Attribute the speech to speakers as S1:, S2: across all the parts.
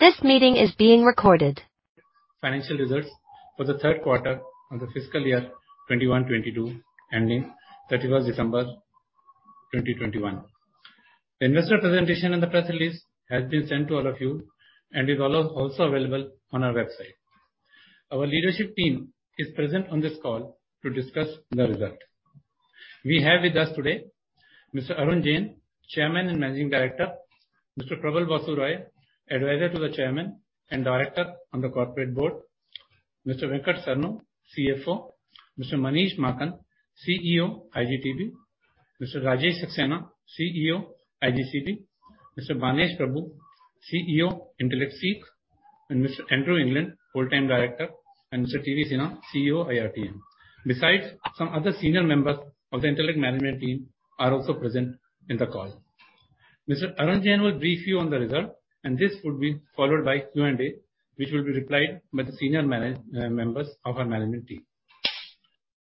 S1: Financial results for the Third Quarter of The Fiscal Year 2021-2022, ending 31 December 2021. The investor presentation and the press release has been sent to all of you and is also available on our website. Our leadership team is present on this call to discuss the result. We have with us today Mr. Arun Jain, Chairman and Managing Director. Mr. Prabal Basu Roy, Advisor to the Chairman and Director on the Corporate Board. Mr. Vasudha Subramaniam, Chief Financial Officer. Mr. Manish Maakan, Chief Executive Officer, iGTB. Mr. Rajesh Saxena, Chief Executive Officer, iGCB. Mr. Banesh Prabhu, Chief Executive Officer, Intellect SEEC. Mr. Andrew England, full-time Director. Mr. T.V. Sinha, Chief Executive Officer, iRTM. Besides, some other senior members of the Intellect management team are also present in the call. Mr. Arun Jain will brief you on the result, and this will be followed by Q&A, which will be replied by the senior management members of our management team.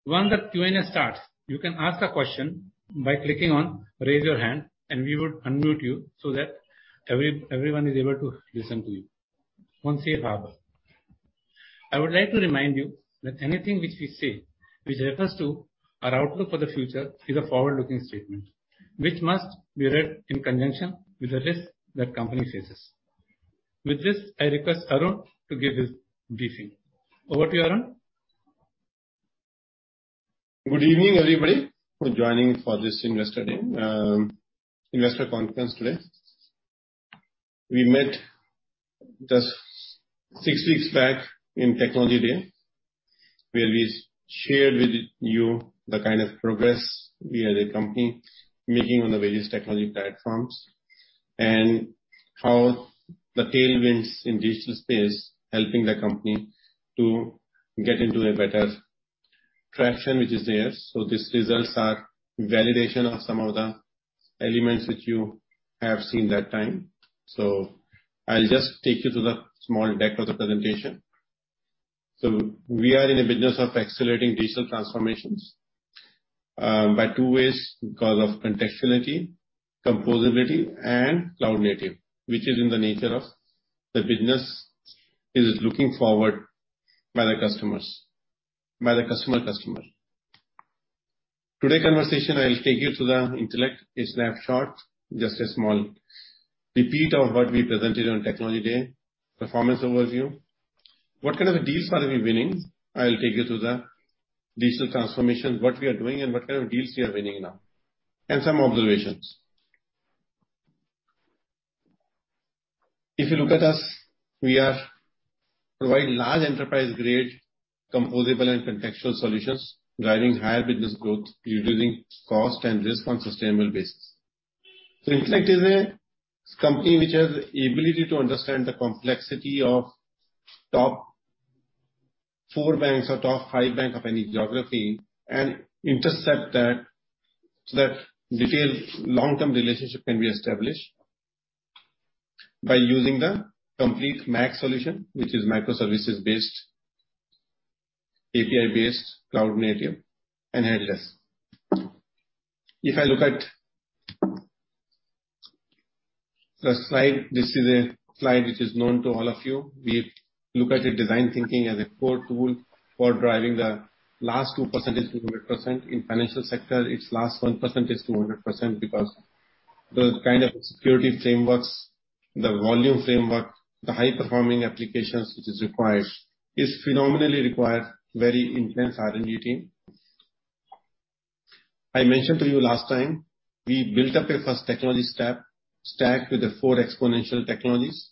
S1: Once the Q&A starts, you can ask a question by clicking on Raise Your Hand, and we would unmute you so that everyone is able to listen to you. Once again, I would like to remind you that anything which we say which refers to our outlook for the future is a forward-looking statement, which must be read in conjunction with the risk that company faces. With this, I request Arun to give his briefing. Over to you, Arun.
S2: Good evening, everybody, thank you for joining for this investor day, investor conference today. We met just six weeks back in Technology Day, where we shared with you the kind of progress we as a company making on the various technology platforms and how the tailwinds in digital space helping the company to get into a better traction which is there. I'll just take you to the small deck of the presentation. We are in a business of accelerating digital transformations by two ways because of contextuality, composability and cloud native, which is in the nature of the business is looking forward by the customers, by the customer. Today's conversation, I'll take you through the Intellect, a snapshot, just a small repeat of what we presented on Technology Day. Performance overview. What kind of deals are we winning? I'll take you through the digital transformation, what we are doing and what kind of deals we are winning now, and some observations. If you look at us, we are providing large enterprise-grade composable and contextual solutions, driving higher business growth, reducing cost and risk on sustainable basis. Intellect is a company which has the ability to understand the complexity of top four banks or top five bank of any geography and intercept that so that detailed long-term relationship can be established by using the complete MACH solution, which is microservices-based, API-based, cloud native and headless. If I look at the slide, this is a slide which is known to all of you. We look at design thinking as a core tool for driving the last 2%-100%. In financial sector, it's 1%-100% because the kind of security frameworks, the volume framework, the high-performing applications which is required, is phenomenally required very intense R&D team. I mentioned to you last time, we built up a first technology stack with the four exponential technologies.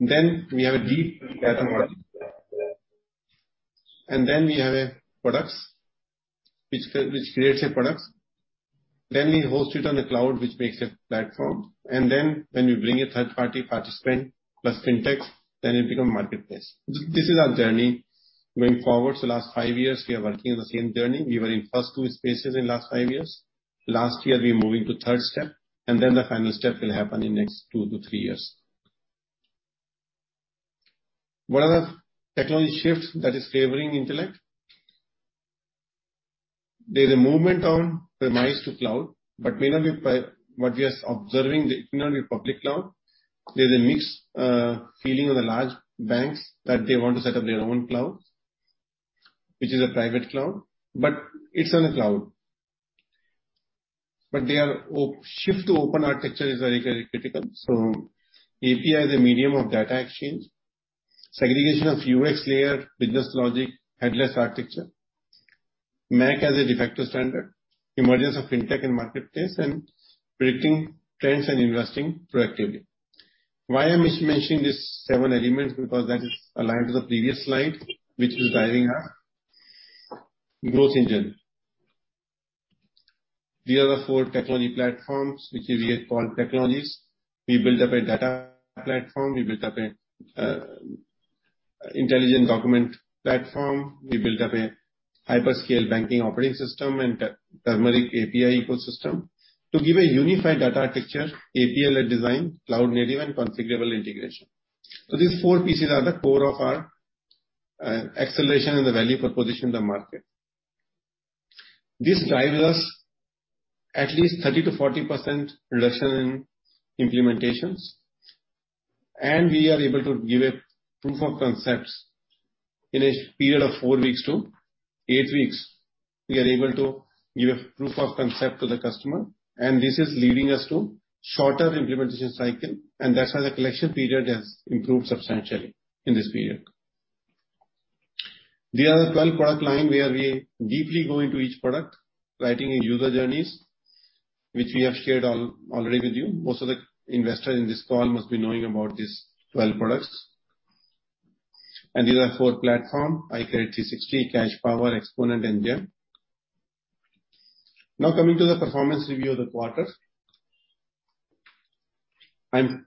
S2: Then we have a deep data model. Then we have products which creates products. Then we host it on the cloud, which makes a platform. Then when you bring a third-party participant, plus fintech, then it become marketplace. This is our journey going forward. Last five years, we are working on the same journey. We were in first two spaces in last five years. Last year, we are moving to third step, and then the final step will happen in next two to three years. What are the technology shifts that is favoring Intellect? There's a movement on-premise to cloud, but mainly by what we are observing, the mainly public cloud. There's a mixed feeling on the large banks that they want to set up their own cloud, which is a private cloud, but it's on a cloud. Shift to open architecture is very, very critical. So API is a medium of data exchange. Segregation of UX layer, business logic, headless architecture. MACH as a de facto standard, emergence of fintech and marketplace and predicting trends and investing proactively. Why I'm mentioning these seven elements because that is aligned to the previous slide which is driving our growth engine. These are the four technology platforms which we have called technologies. We built up a data platform. We built up a intelligent document platform. We built up a hyperscale banking operating system and iTurmeric API ecosystem to give a unified data architecture, API-led design, cloud-native and configurable integration. These four pieces are the core of our acceleration and the value proposition in the market. This drives us to at least 30%-40% reduction in implementations, and we are able to give a proof of concepts in a period of four weeks to eight weeks. We are able to give proof of concept to the customer, and this is leading us to shorter implementation cycle. That's why the collection period has improved substantially in this period. The other 12 product line, where we deeply go into each product, writing user journeys which we have shared already with you. Most of the investors in this call must be knowing about these 12 products. These are four platform iKredit360, CashPower, Xponent and GeM. Now coming to the performance review of the quarter. I'm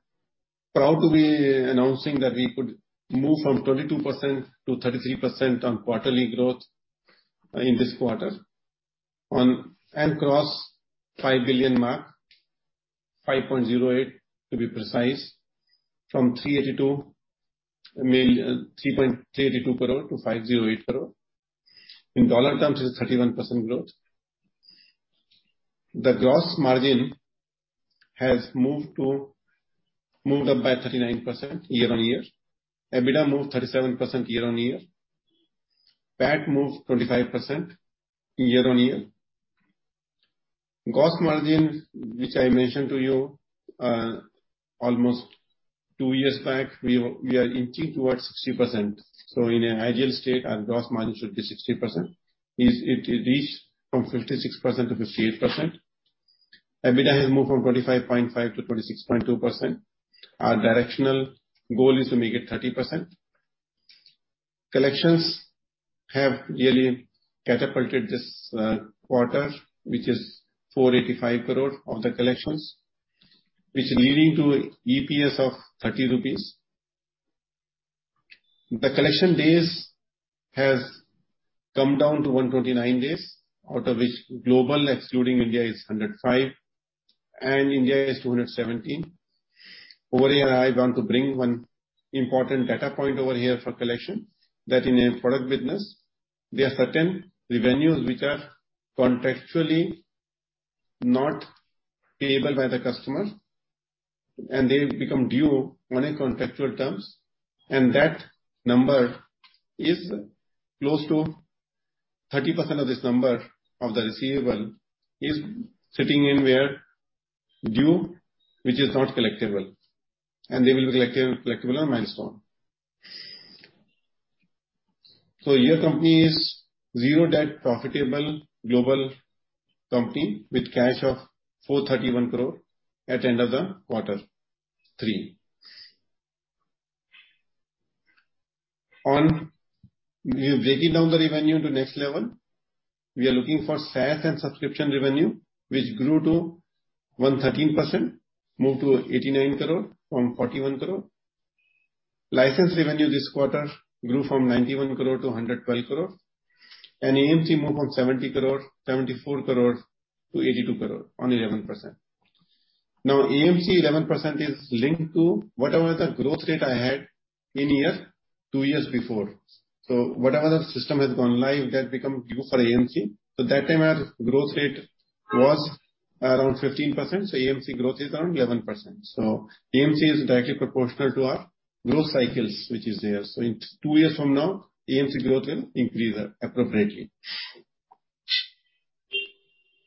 S2: proud to be announcing that we could move from 22% to 33% on quarterly growth in this quarter. We cross 5 billion mark, 5.08 billion to be precise, from 338.2 crore to 508 crore. In dollar terms is 31% growth. The gross margin has moved up by 39% year-on-year. EBITDA moved 37% year-on-year. PAT moved 25% year-on-year. Gross margin, which I mentioned to you, almost two years back, we are inching towards 60%. So in an ideal state, our gross margin should be 60%. It reached from 56%-58%. EBITDA has moved from 25.5%-26.2%. Our directional goal is to make it 30%. Collections have really catapulted this quarter, which is 485 crore of the collections, which leading to EPS of 30 rupees. The collection days has come down to 129 days, out of which global excluding India is 105, and India is 217. Over here, I want to bring one important data point over here for collection, that in a product business, there are certain revenues which are contractually not payable by the customer, and they become due only in contractual terms. That number is close to 30% of this number of the receivable is sitting in where due, which is not collectible, and they will be collectible on milestone. Your company is zero-debt profitable global company with cash of 431 crore at end of the quarter three. Breaking down the revenue to next level, we are looking for SaaS and subscription revenue, which grew to 113%, moved to 89 crore from 41 crore. License revenue this quarter grew from 91 crore to 112 crore. AMC moved from 70 crore, 74 crore to 82 crore, 11%. Now, AMC 11% is linked to whatever the growth rate I had in year, two years before. Whatever the system has gone live, that become due for AMC. That time our growth rate was around 15%, so AMC growth is around 11%. AMC is directly proportional to our growth cycles which is there. In two years from now, AMC growth will increase appropriately.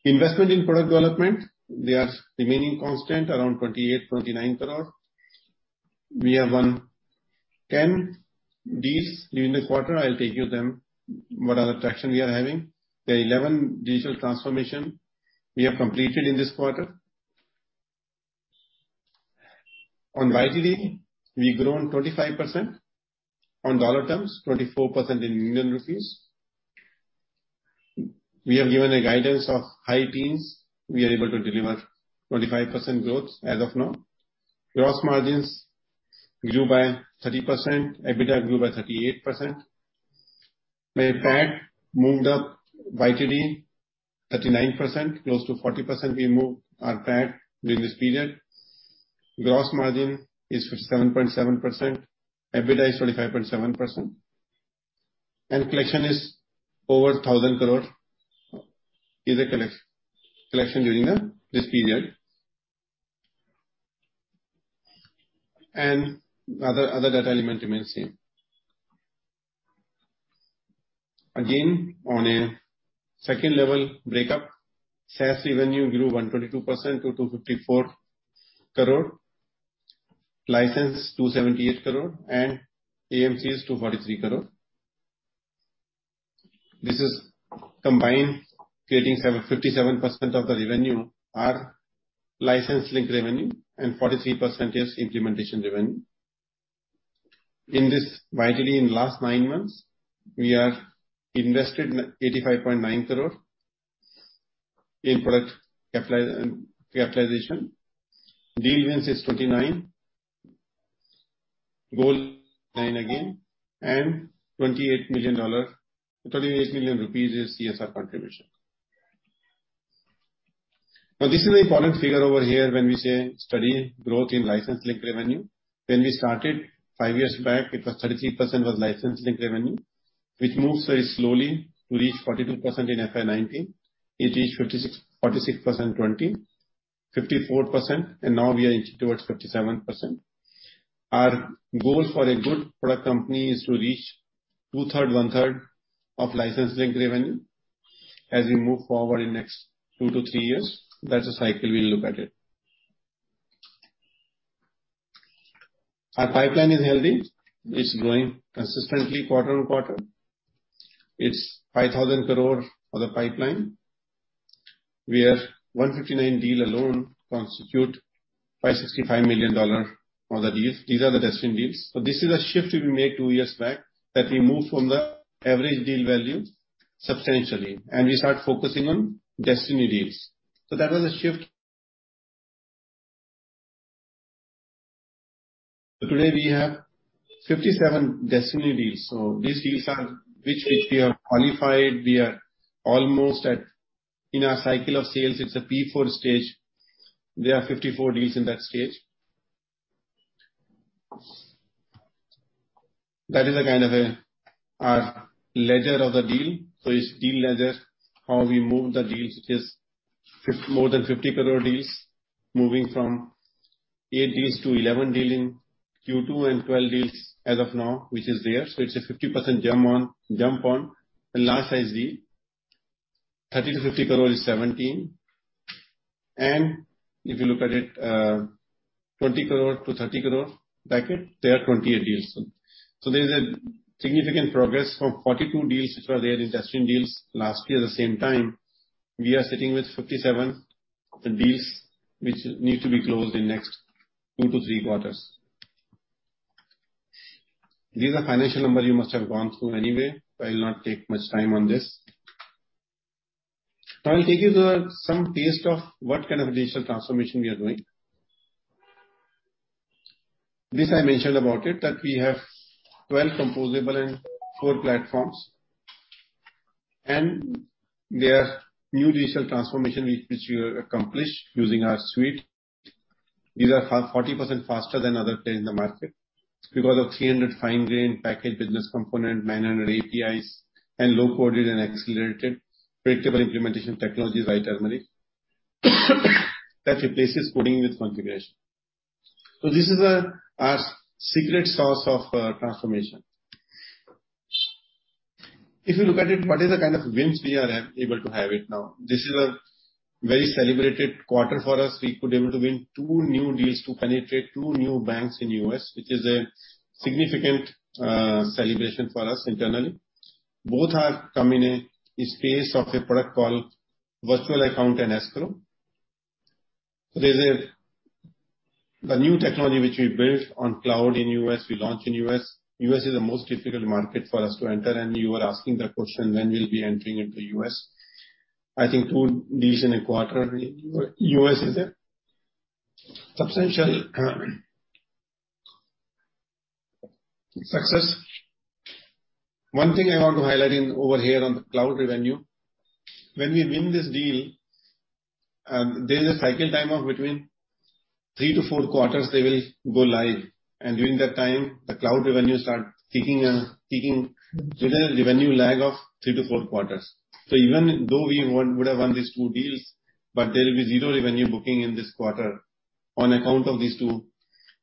S2: Investment in product development, they are remaining constant around 28- 29 crore. We have won 10 deals during the quarter. I'll tell you them, what are the traction we are having. The 11 digital transformations we have completed in this quarter. On YTD, we've grown 25%. On dollar terms, 24% in Indian rupees. We have given a guidance of high teens. We are able to deliver 25% growth as of now. Gross margins grew by 30%. EBITDA grew by 38%. The PAT moved up YTD 39%. Close to 40% we moved our PAT during this period. Gross margin is 47.7%. EBITDA is 45.7%. Collections over INR 1,000 crore during this period. Other data element remains same. Again, on a second level breakup, SaaS revenue grew 122% to 254 crore. License 278 crore and AMCs 243 crore. This is combined creating 57% of the revenue are license-linked revenue and 43% is implementation revenue. In this YTD in last nine months, we have invested in 85.9 crore in product capitalization, deal wins is 29. goal nine again, and $28 million, 28 million rupees is CSR contribution. This is an important figure over here when we say steady growth in license-linked revenue. When we started five years back, it was 33% license-linked revenue, which moves very slowly to reach 42% in FY 2019. It reached 46% in 2020, 54%, and now we are inching towards 57%. Our goal for a good product company is to reach 2/3, 1/3 of license-linked revenue as we move forward in next two to three years. That's the cycle we look at it. Our pipeline is healthy. It's growing consistently quarter on quarter. It's 5,000 crore for the pipeline. We have 159 deals alone constitute $565 million for the deals. These are the destiny deals. This is a shift we made two-years back that we moved from the average deal value substantially, and we start focusing on destiny deals. That was a shift. Today we have 57 destiny deals. These deals are which stage we are qualified, we are almost at. In our cycle of sales, it's a P4 stage. There are 54 deals in that stage. That is a kind of a ledger of the deal. It's deal ledger, how we move the deals. It is more than 50 crore deals, moving from eight deals to 11 deal in Q2 and 12 deals as of now, which is there. It's a 50% jump on jump on. Large size deal, 30 crore-50 crore is 17. If you look at it, 20 crore-30 crore bracket, there are 28 deals. There is a significant progress from 42 deals which were there in destiny deals last year the same time, we are sitting with 57 deals which need to be closed in next two to three quarters. These are financial numbers you must have gone through anyway. I'll not take much time on this. Now I'll take you to some taste of what kind of digital transformation we are doing. This I mentioned about it, that we have 12 composable and four platforms. There are new digital transformation which we have accomplished using our suite. These are 40% faster than other players in the market because of 300 fine-grained packaged business component, 900 APIs, and low-coded and accelerated predictable implementation technology, Write Turmeric, that replaces coding with configuration. This is our secret sauce of transformation. If you look at it, what is the kind of wins we are able to have it now? This is a very celebrated quarter for us. We could able to win two new deals to penetrate two new banks in U.S., which is a significant celebration for us internally. Both are come in a space of a product called virtual account and escrow. There's the new technology which we built on cloud in U.S., we launched in U.S., U.S. is the most difficult market for us to enter, and you were asking that question, when we'll be entering into U.S. I think two deals in a quarter in U.S. is a substantial success. One thing I want to highlight right over here on the cloud revenue, when we win this deal, there is a cycle time of between three to four quarters they will go live. During that time, the cloud revenue start ticking. There's a revenue lag of three to four quarters. Even though we would have won these two deals, but there will be zero revenue booking in this quarter on account of these two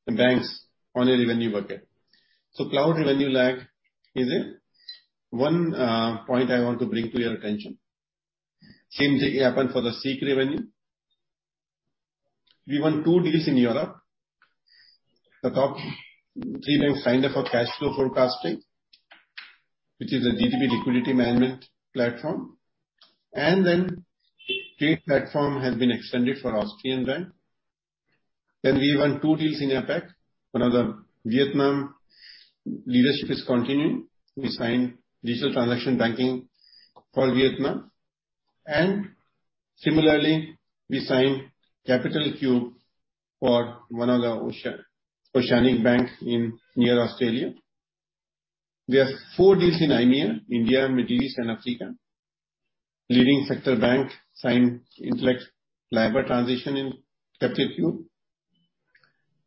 S2: banks on a revenue bucket. Cloud revenue lag is a one point I want to bring to your attention. Same thing happened for the SEEC revenue. We won two deals in Europe. The top three banks signed up for cash flow forecasting, which is a GTB liquidity management platform. Trade platform has been extended for Austrian bank. We won two deals in APAC. One of the Vietnam leadership is continuing. We signed digital transaction banking for Vietnam. Similarly, we signed Capital lQ for one of the Oceanic Bank near Australia. There are four deals in IMEA, India, Middle East and Africa. Leading sector bank signed Intellect LIBOR transition in Capital lQ.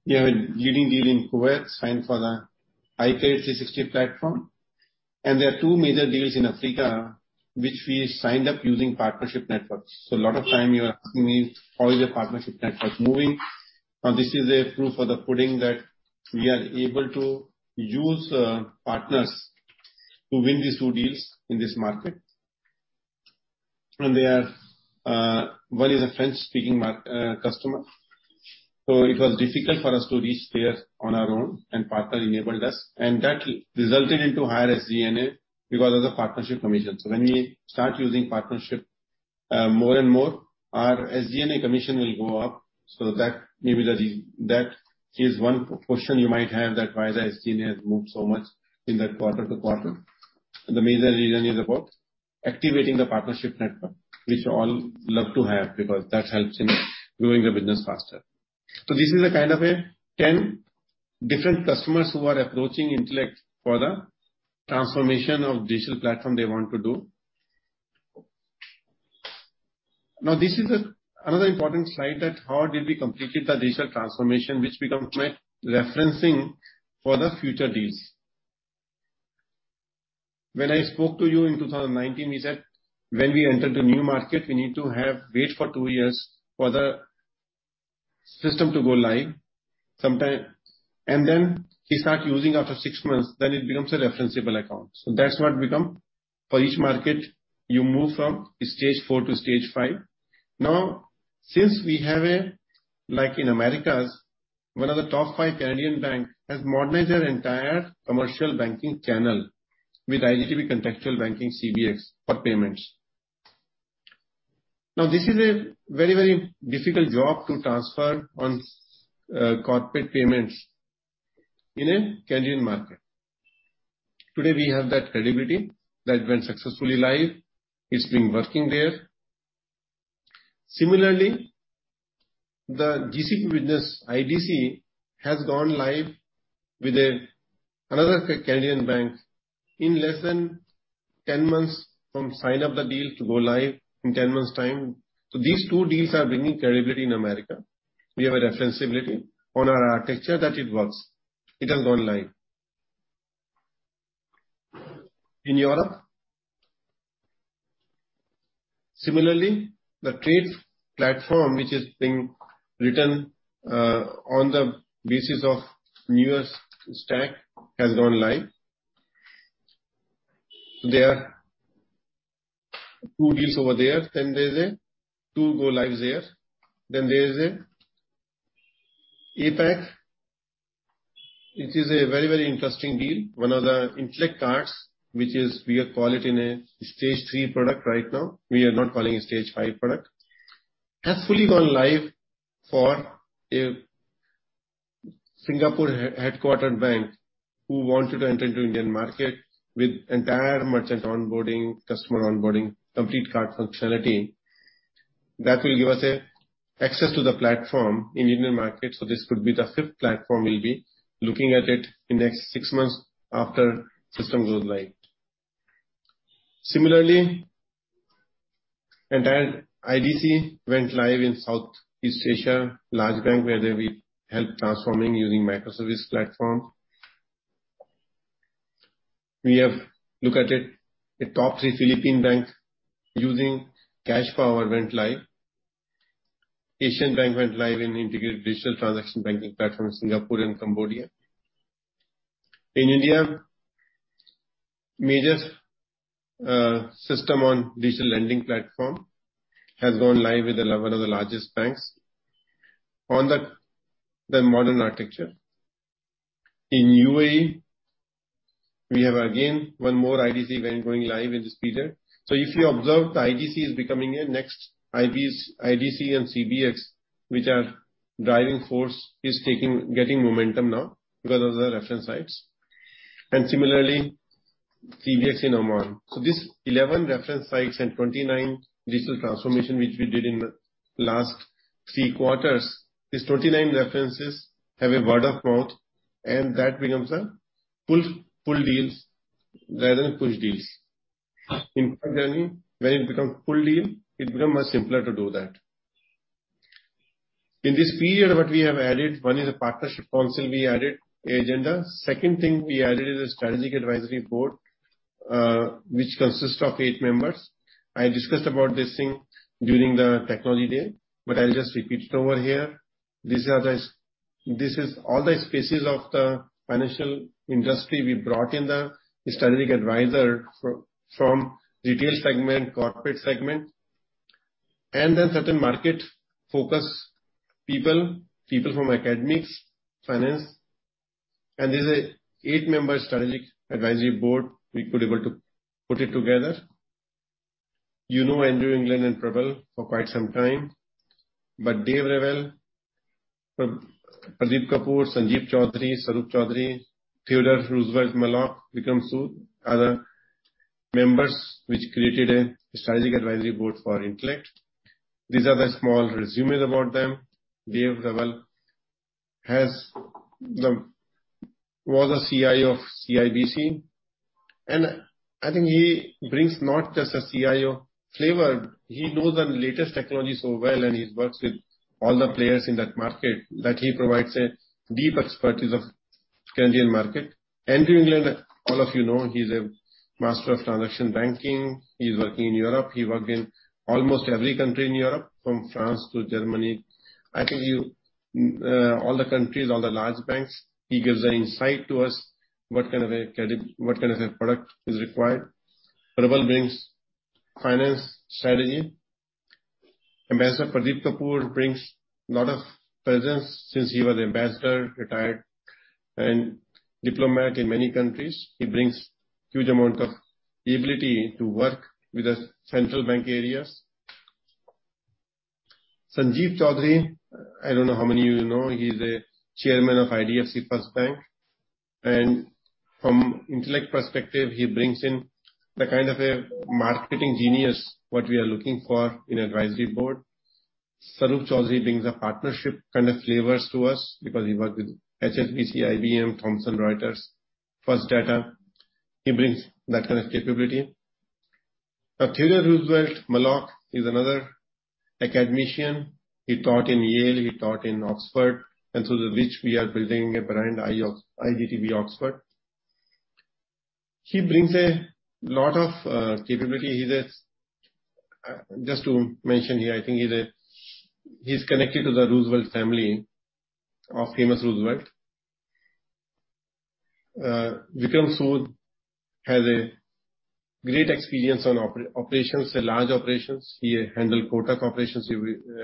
S2: We have a leading deal in Kuwait, signed for the iPay360 platform. There are two major deals in Africa, which we signed up using partnership networks. A lot of time you are asking me, how is your partnership networks moving? Now this is a proof of the pudding that we are able to use partners to win these two deals in this market. They are one is a French-speaking customer. It was difficult for us to reach there on our own, and partner enabled us. That resulted into higher SG&A because of the partnership commission. When we start using partnership more and more, our SG&A commission will go up. That is one question you might have that why the SG&A has moved so much in that quarter to quarter. The major reason is about activating the partnership network, which all love to have because that helps in growing the business faster. This is a kind of 10 different customers who are approaching Intellect for the transformation of digital platform they want to do. Now, this is another important slide that how did we complete the digital transformation, which becomes my referencing for the future deals. When I spoke to you in 2019, we said, when we enter the new market, we need to have wait for two years for the system to go live. Sometimes we start using after six months, then it becomes a referenceable account. That's what becomes, for each market, you move from stage four to stage five. Now, since we have a, like in Americas, one of the top five Canadian bank has modernized their entire commercial banking channel with iGTB Contextual Banking, CBX for payments. This is a very, very difficult job to transfer on corporate payments in a Canadian market. Today, we have that credibility that gone live successfully. It has been working there. Similarly, the GCB business, IDC, has gone live with another Canadian bank in less than 10 months from signing the deal to go live in 10 months' time. These two deals are bringing credibility in America. We have a referencability on our architecture that it works. It has gone live in Europe. Similarly, the trades platform which is being written on the basis of newest stack has gone live. There are two deals over there, then there are two go-lives there. There is an APAC. It is a very, very interesting deal. One of the Intellect cards, which is we call it a stage three product right now, we are not calling a stage five product, has fully gone live for a Singapore-headquartered bank who wanted to enter into Indian market with entire merchant onboarding, customer onboarding, complete card functionality. That will give us an access to the platform in Indian market, so this could be the fifth platform we'll be looking at it in the next six months after system goes live. Similarly, entire IDC went live in Southeast Asia, large bank where they'll help transforming using microservice platform. We have looked at it. A top three Philippine bank using CashPower went live. An Asian bank went live in integrated digital transaction banking platform in Singapore and Cambodia. In India, major system on digital lending platform has gone live with one of the largest banks on the modern architecture. In UAE, we have again one more IDC going live in this period. If you observe, the IDC is becoming a next IBs IDC and CBX, which are driving force, getting momentum now because of the reference sites. Similarly, CBX in Oman. This 11 reference sites and 29 digital transformation, which we did in the last three quarters, these 29 references have a word of mouth, and that becomes a pull deals rather than push deals. In journey, when it becomes pull deal, it becomes much simpler to do that. In this period, what we have added, one is a partnership council we added, agenda. Second thing we added is a strategic advisory board, which consists of eight members. I discussed about this thing during the technology day, but I'll just repeat it over here. These are the this is all the spaces of the financial industry we brought in the strategic advisor from retail segment, corporate segment, and then certain market-focused people from academics, finance. This is a eight-member strategic advisory board we could able to put it together. You know Andrew England and Prabal for quite some time. Dave Revell, Pradeep Kapur, Sanjeeb Chaudhuri, Swaroop Choudhury, Theodore Roosevelt Malloch become so other members which created a strategic advisory board for Intellect. These are the small resumes about them. Dave Revell was a Chief Information Officer of CIBC. I think he brings not just a Chief Information Officer flavor, he knows the latest technology so well and he's worked with all the players in that market that he provides a deep expertise of Canadian market. Andrew England, all of you know, he's a master of transaction banking. He's working in Europe. He worked in almost every country in Europe, from France to Germany. I think you all the countries, all the large banks, he gives an insight to us what kind of a product is required. Prabal brings finance strategy. Ambassador Pradeep Kapur brings lot of presence since he was ambassador, retired and diplomat in many countries. He brings huge amount of ability to work with the central bank areas. Sanjeeb Chaudhuri, I don't know how many of you know, he's a chairman of IDFC First Bank. From Intellect perspective, he brings in the kind of a marketing genius what we are looking for in advisory board. Swarup Choudhury brings a partnership kind of flavors to us because he worked with HSBC, IBM, Thomson Reuters, First Data. He brings that kind of capability. Now, Theodore Roosevelt Malloch is another academician. He taught in Yale, he taught in Oxford, and through which we are building a brand I of iGTB Oxford. He brings a lot of capability. He's a. Just to mention here, I think he's connected to the Roosevelt family of famous Roosevelt. Vikram Sud has a great experience on operations, large operations. He handled Kotak operations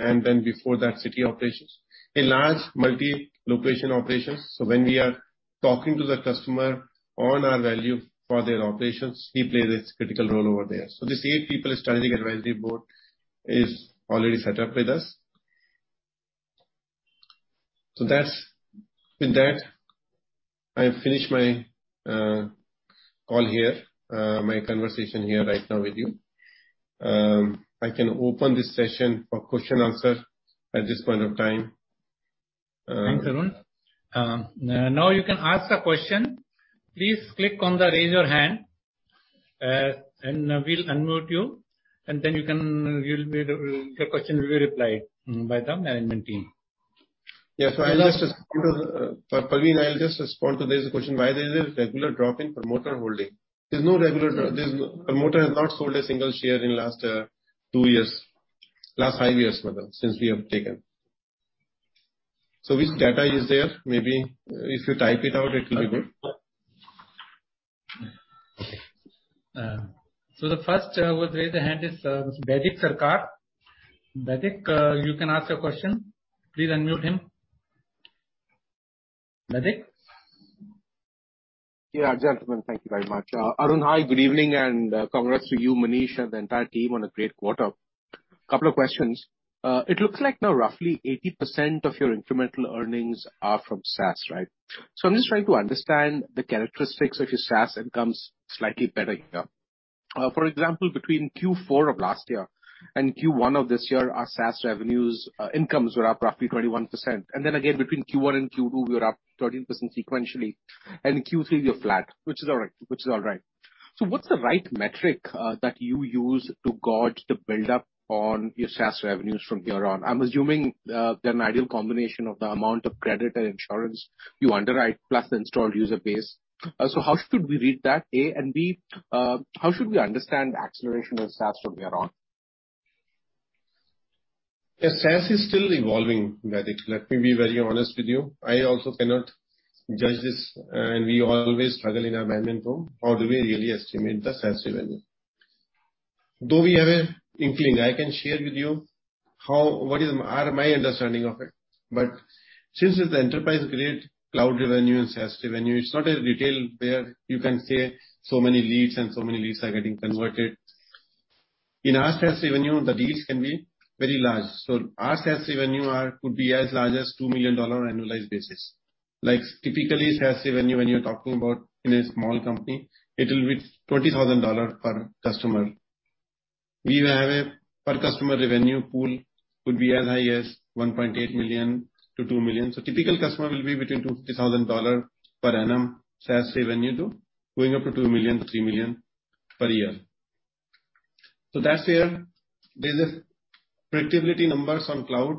S2: and then before that, Citi operations. A large multi-location operations. So when we are talking to the customer on our value for their operations, he plays a critical role over there. This eight people strategic advisory board is already set up with us. With that, I finish my call here, my conversation here right now with you. I can open this session for question-answer at this point of time.
S1: Thanks, Arun. Now you can ask a question. Please click on the Raise Your Hand, and we'll unmute you, and then you'll be, your question will be replied by the management team.
S2: I'll just respond to Praveen. There's a question why there's a regular drop in promoter holding. There's no regular drop. Promoter has not sold a single share in the last two years. Last five years rather, since we have taken. Which data is there? Maybe if you type it out, it will be good.
S1: Okay. The first who has raised their hand is Baidik Sarkar. Baidik, you can ask your question. Please unmute him. Baidik?
S3: Yeah, gentlemen. Thank you very much. Arun, hi, good evening, and congrats to you, Manish, and the entire team on a great quarter. Couple of questions. It looks like now roughly 80% of your incremental earnings are from SaaS, right? I'm just trying to understand the characteristics of your SaaS incomes slightly better here. For example, between Q4 of last year and Q1 of this year, our SaaS revenues, incomes were up roughly 21%. Then again, between Q1 and Q2, we were up 13% sequentially. Q3, we were flat, which is all right. What's the right metric that you use to gauge the build-up on your SaaS revenues from here on? I'm assuming they're an ideal combination of the amount of credit and insurance you underwrite, plus the installed user base. How should we read that, A, B, how should we understand the acceleration of SaaS from here on?
S2: Yeah, SaaS is still evolving, Baidik. Let me be very honest with you. I also cannot judge this, and we always struggle in our management room, how do we really estimate the SaaS revenue. Though we have an inkling, I can share with you what is my understanding of it. But since it's an enterprise-grade cloud revenue and SaaS revenue, it's not a retail where you can say so many leads and so many leads are getting converted. In our SaaS revenue, the deals can be very large. So our SaaS revenue are could be as large as $2 million annualized basis. Like, typically, SaaS revenue, when you're talking about in a small company, it'll be $20,000 per customer. We have a per customer revenue pool could be as high as $1.8 million-$2 million. Typical customer will be between $250,000 per annum SaaS revenue going up to $2 million-$3 million per year. That's where there's predictability numbers on cloud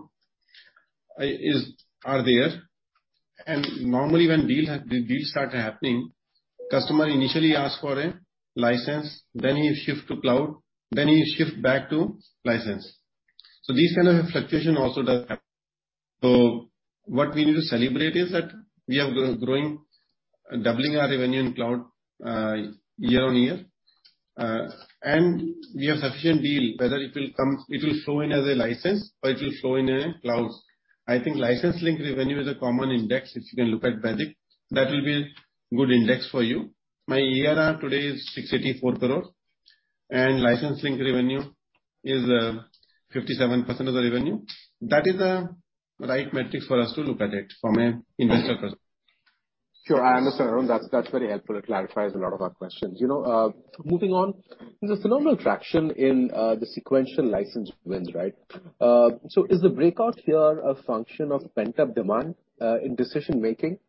S2: are there. Normally when deals start happening, customer initially asks for a license, then he shift to cloud, then he shift back to license. These kind of fluctuation also does happen. What we need to celebrate is that we are growing, doubling our revenue in cloud year on year. We have sufficient deal, whether it will come, it will show up as a license or it will show up as a cloud. I think license-linked revenue is a common index, if you can look at, Baidik, that will be good index for you. My ARR today is 684 crore and license link revenue is 57% of the revenue. That is the right metric for us to look at it from an investor perspective.
S3: Sure, I understand, Arun. That's very helpful. It clarifies a lot of our questions. You know, moving on, there's phenomenal traction in the sequential license wins, right? So is the breakout here a function of pent-up demand in decision-making?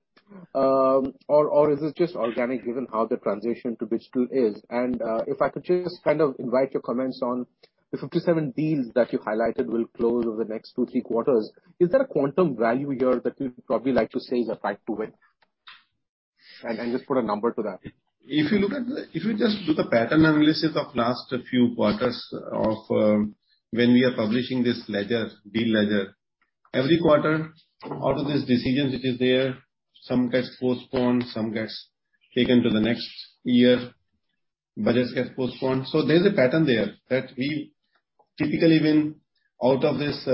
S3: Or is it just organic given how the transition to digital is? If I could just kind of invite your comments on the 57 deals that you highlighted will close over the next two to three quarters. Is there a quantum value here that you'd probably like to say is attached to it? Just put a number to that.
S2: If you just do the pattern analysis of last few quarters of when we are publishing this ledger, deal ledger. Every quarter, out of these decisions which is there, some gets postponed, some gets taken to the next year, budgets get postponed. There's a pattern there that we typically win out of this,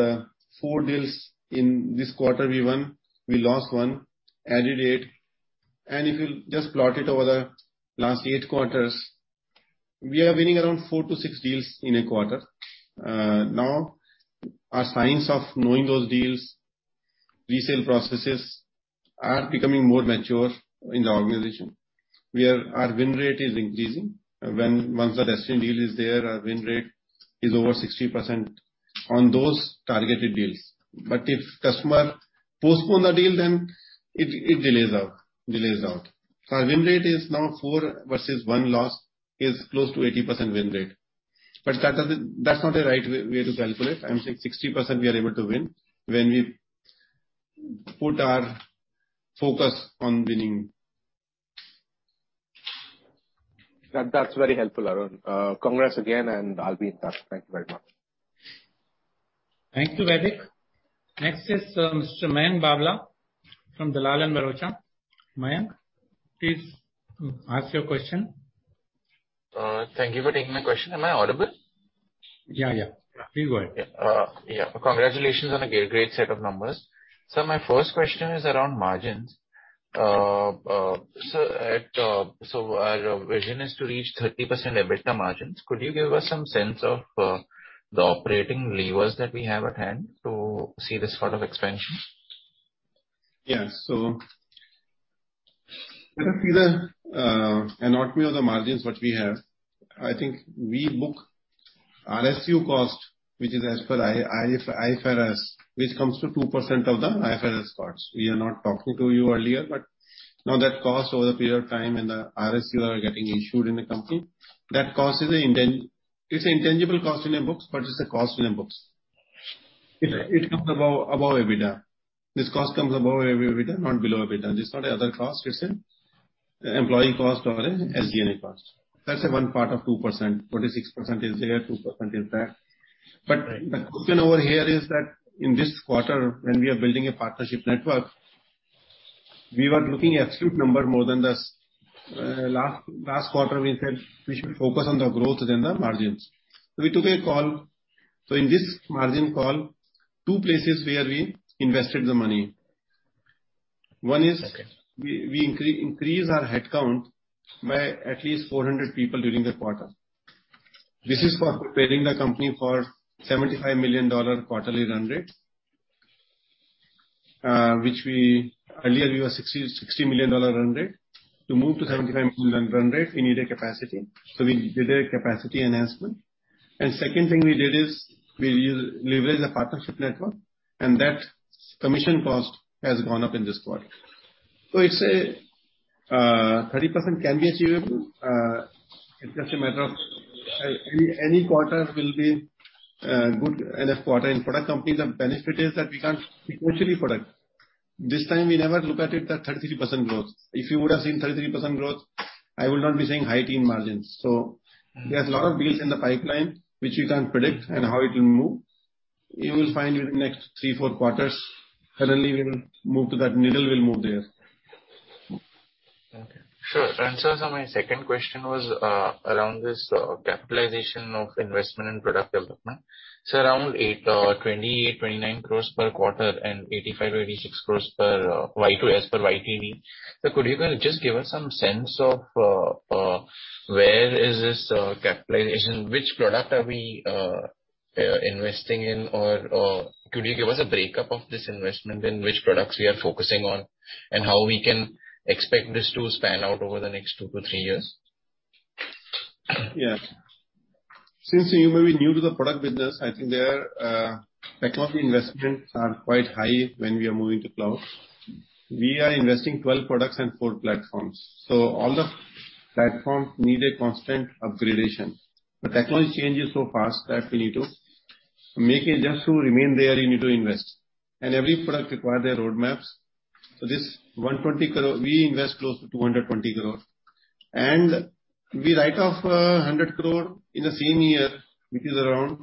S2: four deals in this quarter, we won, we lost one, added eight. If you just plot it over the last eight quarters, we are winning around four to six deals in a quarter. Now our science of knowing those deals, sales processes are becoming more mature in the organization, where our win rate is increasing. Once the destined deal is there, our win rate is over 60% on those targeted deals. But if customer postpone the deal, then it delays out. Our win rate is now four versus one loss, is close to 80% win rate. That's not the right way to calculate. I'm saying 60% we are able to win when we put our focus on winning.
S3: That's very helpful, Arun. Congrats again, and I'll be in touch. Thank you very much.
S1: Thank you, Baidik. Next is Mr. Mayank Babla from Dalal and Broacha. Mayank, please ask your question.
S4: Thank you for taking my question. Am I audible?
S2: Yeah, yeah. Please go ahead.
S4: Yeah. Congratulations on a great set of numbers. My first question is around margins. Our vision is to reach 30% EBITDA margins. Could you give us some sense of the operating levers that we have at hand to see this sort of expansion?
S2: Yeah. When you see the anomaly of the margins what we have, I think we book RSU cost, which is as per IFRS, which comes to 2% of the IFRS costs. We were not talking to you earlier, but now that cost over the period of time and the RSU are getting issued in the company, that cost is intangible cost in the books, but it's a cost in the books. It comes above EBITDA. This cost comes above EBITDA, not below EBITDA. This is not the other cost, it's in employee cost or in SG&A cost. That's one part of 2%. 46% is there, 2% is that. The question over here is that in this quarter, when we are building a partnership network, we were looking absolute number more than this. Last quarter we said we should focus on the growth than the margins. We took a call. In this margin call, two places where we invested the money. One is we increase our headcount by at least 400 people during the quarter. This is for preparing the company for $75 million quarterly run rate. Earlier we were $60 million run rate. To move to $75 million run rate, we need a capacity, we did a capacity enhancement. Second thing we did is we leveraged the partnership network, and that commission cost has gone up in this quarter. It's a 30% can be achievable. It's just a matter of any quarter will be good enough quarter. In product company, the benefit is that we can't foresee the product. This time we never look at it at 33% growth. If you would have seen 33% growth, I would not be saying high teen margins. There's a lot of deals in the pipeline which you can't predict and how it will move. You will find in next three, four quarters currently we will move to that, needle will move there.
S4: My second question was around this capitalization of investment in product development. Around 28 crores-29 crores per quarter and 85 crores-86 crores YTD. Could you just give us some sense of where this capitalization is? Which product are we investing in? Or could you give us a breakdown of this investment and which products we are focusing on, and how we can expect this to pan out over the next two to three years?
S2: Yeah. Since you may be new to the product business, I think their technology investments are quite high when we are moving to cloud. We are investing 12 products and four platforms, so all the platforms need a constant upgradation. The technology changes so fast that we need to make it. Just to remain there, you need to invest. Every product require their roadmaps. This 120 crore, we invest close to 220 crore. We write off 100 crore in the same year, which is around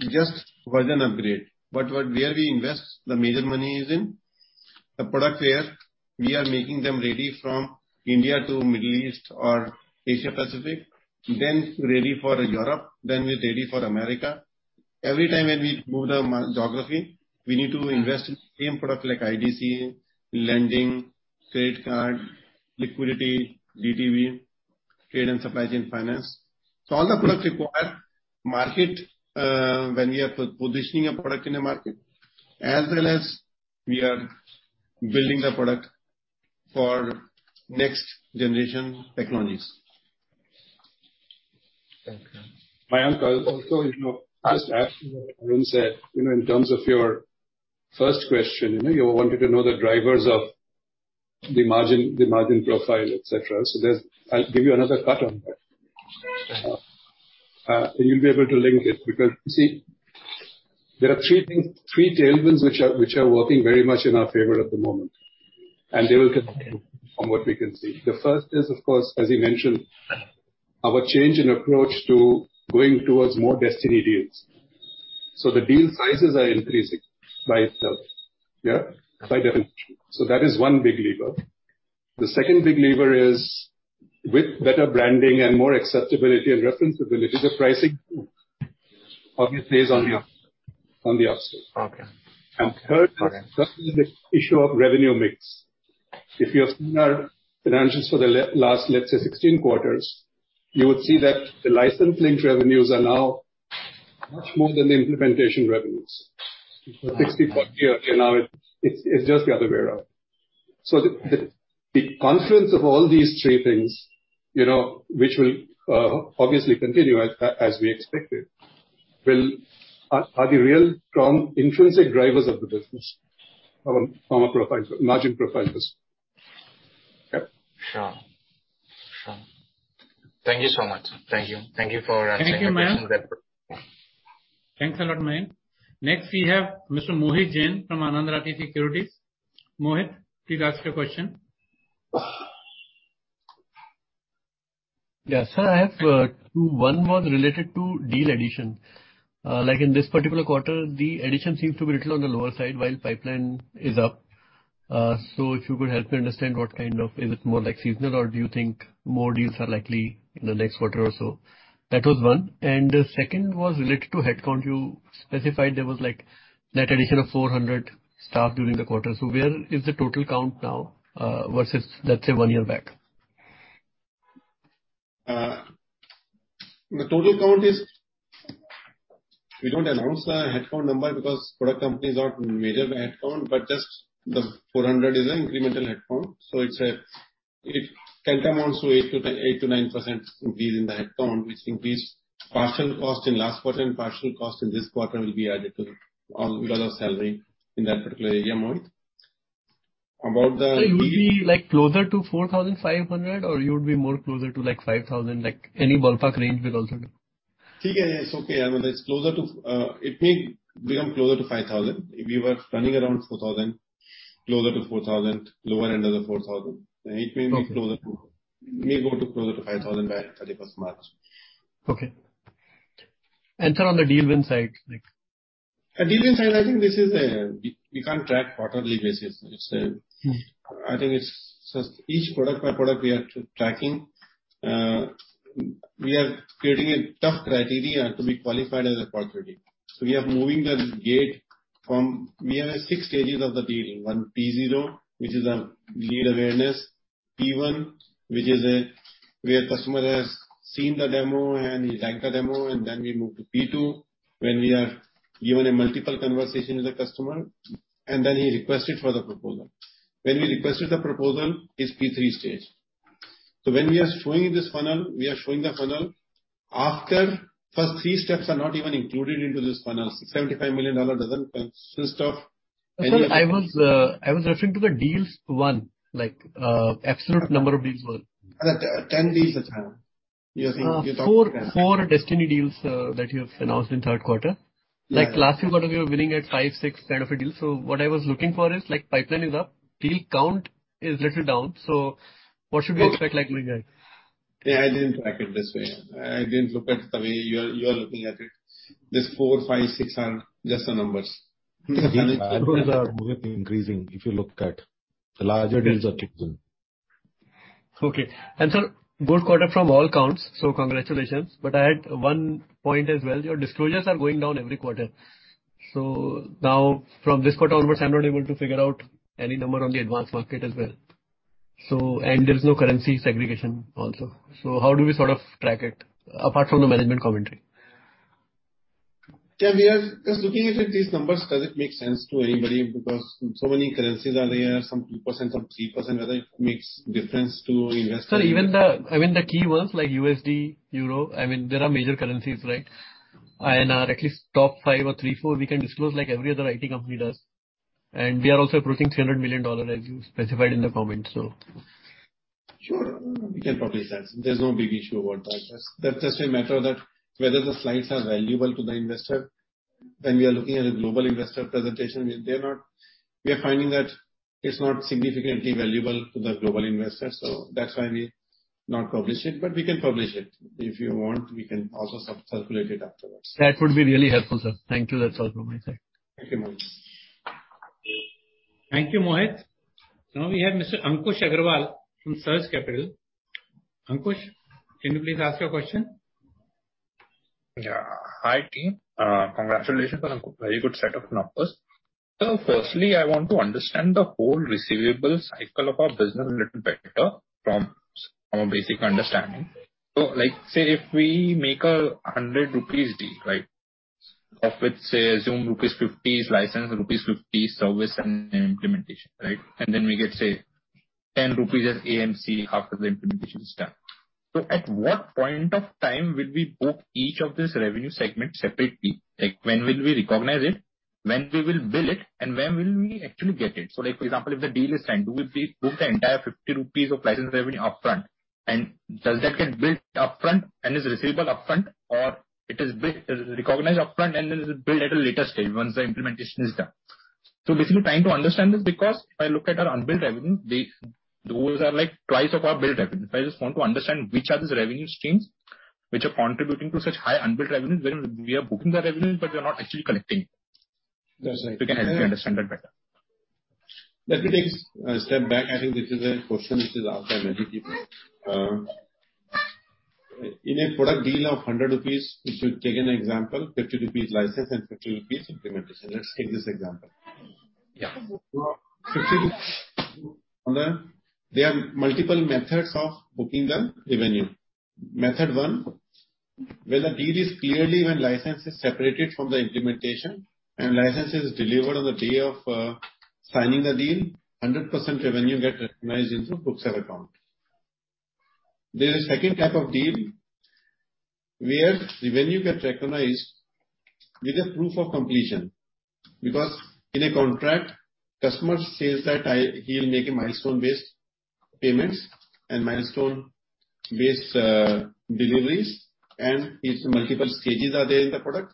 S2: just version upgrade. But where we invest the major money is in the product where we are making them ready from India to Middle East or Asia Pacific, then ready for Europe, then we're ready for America. Every time when we move to a new geography, we need to invest in same product like IDC, lending, trade card, liquidity, DTV, trade and supply chain finance. All the products require marketing when we are positioning a product in a market, as well as we are building the product for next generation technologies.
S4: Thank you.
S5: Mayank, just adding to what Arun said, you know, in terms of your first question, you know, you wanted to know the drivers of the margin, the margin profile, etc., I'll give you another cut on that. You'll be able to link it because, you see, there are three things, three tailwinds which are working very much in our favor at the moment, and they will continue from what we can see. The first is of course, as you mentioned, our change in approach to going towards more destiny deals. The deal sizes are increasing by itself. Yeah. By definition. That is one big lever. The second big lever is with better branding and more acceptability and referenceability, the pricing obviously is on the upswing.
S4: Okay.
S5: Third is the issue of revenue mix. If you have seen our financials for the last, let's say, 16 quarters, you would see that the licensing revenues are now much more than the implementation revenues. For 60 quarters now it's just the other way around. The confluence of all these three things, you know, which will obviously continue as we expected, are the real strong intrinsic drivers of the business from margin profiles.
S4: Sure. Thank you so much. Thank you for answering the question.
S2: Thank you, Mayank.
S1: Thanks a lot, Mayank. Next we have Mr. Mohit Jain from Anand Rathi Securities. Mohit, please ask your question.
S6: Yes. Sir, I have two. One was related to deal addition. Like in this particular quarter, the addition seems to be a little on the lower side while pipeline is up. So if you could help me understand what kind of is it more like seasonal or do you think more deals are likely in the next quarter or so? That was one. The second was related to headcount. You specified there was like net addition of 400 staff during the quarter. So where is the total count now versus let's say one year back?
S2: The total count is. We don't announce the headcount number because product companies are not measured by headcount, but just the 400 is an incremental headcount. It can amount to 8%-9% increase in the headcount, which increase part of the cost in last quarter and part of the cost in this quarter will be added to all because of salary in that particular area, Mohit. About the deal.
S6: You would be like closer to 4,500 or you would be more closer to like 5,000, like any ballpark range will also do.
S2: It's okay. I mean, it's closer to, it may become closer to 5,000. We were running around 4,000, closer to 4,000, lower end of the 4,000. It may be closer.
S6: Okay.
S2: It may go closer to 5,000 by 31st March.
S6: Okay. Sir, on the deal win side, like.
S2: The deal win side, I think this is, we can't track quarterly basis. It's,
S6: Mm-hmm.
S2: I think it's just each product by product we are tracking. We are creating a tough criteria to be qualified as a opportunity. We are moving the gate from. We have six stages of the dealing. One P0, which is a lead awareness. P1, which is where customer has seen the demo and he liked the demo and then we move to P2, when we have given a multiple conversation with the customer and then he requested for the proposal. When he requested the proposal, it's P3 stage. When we are showing this funnel, we are showing the funnel after first three steps are not even included into this funnel. $75 million doesn't consist of any of the.
S6: Sir, I was referring to the deals won, like, absolute number of deals won.
S2: 10 deals that time. You're talking about 10.
S6: Four distinct deals that you have announced in the third quarter.
S2: Yeah.
S6: Like last few quarter we were winning at five, six kind of a deal. What I was looking for is like pipeline is up, deal count is little down. What should we expect like moving ahead?
S2: Yeah, I didn't track it this way. I didn't look at the way you're looking at it. This four, five, six are just the numbers.
S5: Deals are improving, increasing if you look at the larger deals kicking in.
S6: Okay. Sir, good quarter from all counts, so congratulations. I had one point as well. Your disclosures are going down every quarter. Now from this quarter onwards, I'm not able to figure out any number on the advanced market as well. There's no currency segregation also. How do we sort of track it apart from the management commentary?
S2: Yeah, we are just looking if these numbers, does it make sense to anybody? Because so many currencies are there, some 2%, some 3%, whether it makes difference to investor.
S6: Sir, I mean, the key ones like USD, Euro, I mean, there are major currencies, right? At least top five or three, four, we can disclose like every other IT company does. We are also approaching $300 million as you specified in the comment.
S2: Sure. We can publish that. There's no big issue about that. That's just a matter that whether the slides are valuable to the investor. When we are looking at a global investor presentation, we are finding that it's not significantly valuable to the global investor. That's why we don't publish it. We can publish it. If you want, we can also sub-circulate it afterwards.
S6: That would be really helpful, sir. Thank you. That's all from my side.
S2: Thank you, Mohit.
S1: Thank you, Mohit. Now we have Mr. Ankush Agrawal from Surge Capital. Ankush, can you please ask your question?
S7: Hi, team. Congratulations on a very good set of numbers. Firstly, I want to understand the whole receivables cycle of our business a little better from a basic understanding. Like say if we make a 100 rupees deal, right? Of which say assume rupees 50 is license, rupees 50 service and implementation, right? And then we get say 10 rupees as AMC after the implementation is done. At what point of time will we book each of this revenue segment separately? Like, when will we recognize it? When will we bill it? And when will we actually get it? Like for example, if the deal is signed, do we pre-book the entire 50 rupees of license revenue upfront? And does that get billed upfront and is receivable upfront? It is recognized upfront and then is billed at a later stage once the implementation is done? Basically trying to understand this because if I look at our unbilled revenue, those are like twice of our billed revenue. I just want to understand which are these revenue streams which are contributing to such high unbilled revenues when we are booking the revenue, but we are not actually collecting it.
S2: That's right.
S7: If you can help me understand that better.
S2: Let me take a step back. I think this is a question which is asked by many people. In a product deal of 100 rupees, if you've taken an example, 50 rupees license and 50 rupees implementation. Let's take this example.
S7: Yeah.
S2: There are multiple methods of booking the revenue. Method one, when license is separated from the implementation and license is delivered on the day of signing the deal, 100% revenue get recognized into books and account. There is second type of deal where the revenue gets recognized with a proof of completion. Because in a contract, customer says that he'll make milestone-based payments and milestone-based deliveries, and there are multiple stages in the product.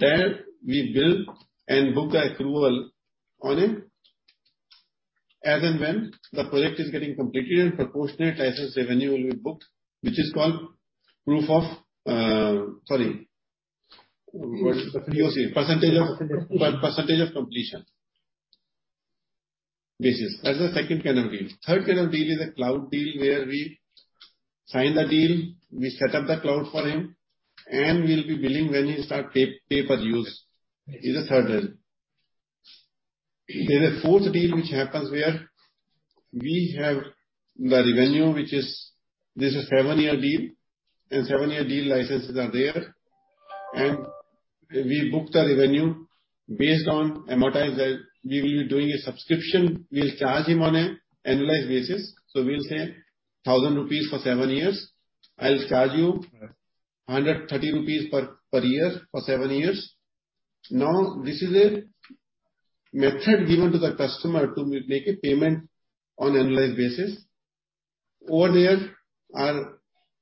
S2: There we bill and book the accrual on it as and when the project is getting completed and proportionate license revenue will be booked, which is called proof of completion.
S7: Percentage of-
S2: POC.
S7: Percentage of completion.
S2: Percentage of completion basis. That's the second kind of deal. Third kind of deal is a cloud deal where we sign the deal, we set up the cloud for him, and we'll be billing when he start pay per use. This is the third one. There's a fourth deal which happens where we have the revenue, which is. This is seven-year deal, and seven-year deal licenses are there. We book the revenue based on amortized value. We will be doing a subscription. We'll charge him on an annual basis. We'll say 1,000 rupees for seven years. I'll charge you 130 rupees per year for seven years. Now, this is a method given to the customer to make a payment on annual basis. Over there, our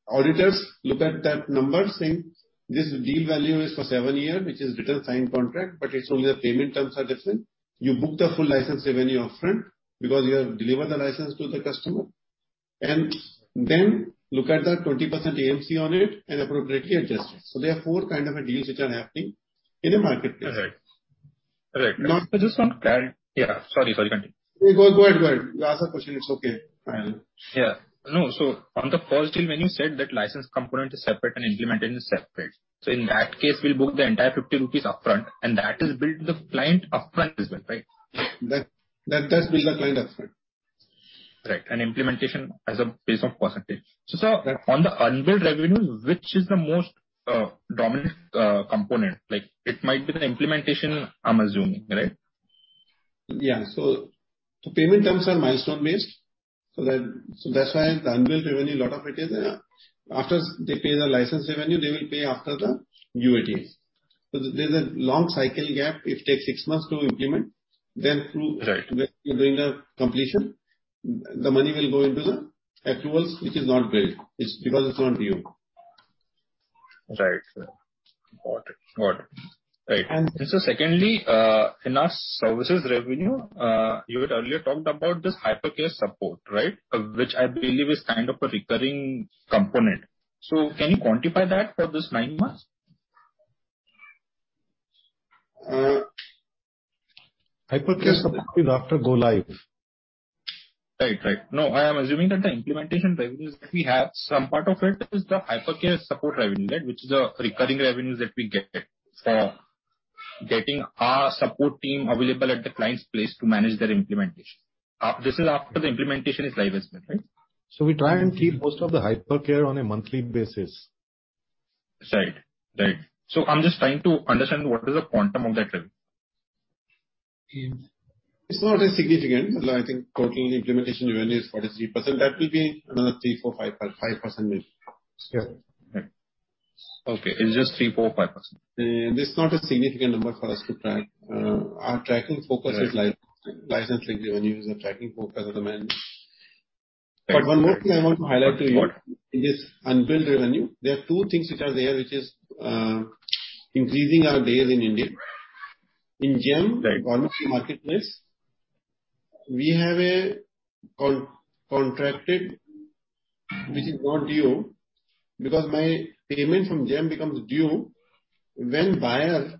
S2: auditors look at that number saying this deal value is for seven year, which is written, signed contract, but it's only the payment terms are different. You book the full license revenue upfront because you have delivered the license to the customer, and then look at the 20% AMC on it and appropriately adjust it. There are four kind of deals which are happening in the marketplace.
S7: All right.
S2: Now-
S7: Yeah. Sorry. Continue.
S2: No, go ahead. You ask the question. It's okay.
S7: Yeah. No, on the first deal when you said that license component is separate and implementation is separate, so in that case we'll book the entire 50 rupees upfront, and that is billed to the client upfront as well, right?
S2: That does bill the client upfront.
S7: Right. Implementation as a base of percentage. Sir, on the unbilled revenue, which is the most dominant component? Like, it might be the implementation, I'm assuming, right?
S2: The payment terms are milestone-based. That's why the unbilled revenue, lot of it is after they pay the license revenue, they will pay after the UAT. There's a long cycle gap. It takes six months to implement, then through.
S7: Right.
S2: When you're doing the completion, the money will go into the accruals, which is not billed. It's because it's not due.
S7: Right. Got it. Right.
S2: And-
S7: Secondly, in our services revenue, you had earlier talked about this hyper care support, right? Which I believe is kind of a recurring component. Can you quantify that for this nine months?
S2: Hyper care support is after go live.
S7: Right. No, I am assuming that the implementation revenues that we have, some part of it is the hyper care support revenue, which is a recurring revenues that we get for getting our support team available at the client's place to manage their implementation. This is after the implementation is live as well, right?
S2: We try and keep most of the hypercare on a monthly basis.
S7: Right. I'm just trying to understand what is the quantum of that revenue.
S2: It's not as significant. I think total implementation revenue is 43%. That will be another 3%, 4%, 5% maybe. Yeah.
S7: Right. Okay. It's just 3, 4, 5%.
S2: This is not a significant number for us to track. Our tracking focus is license revenues. Our tracking focus is on managed.
S7: Right.
S2: One more thing I want to highlight to you.
S7: What?
S2: In this unbilled revenue, there are two things which are there, which is increasing our DSO in India. In GeM, Government e-Marketplace, we have a contract which is not due because my payment from GeM becomes due when buyer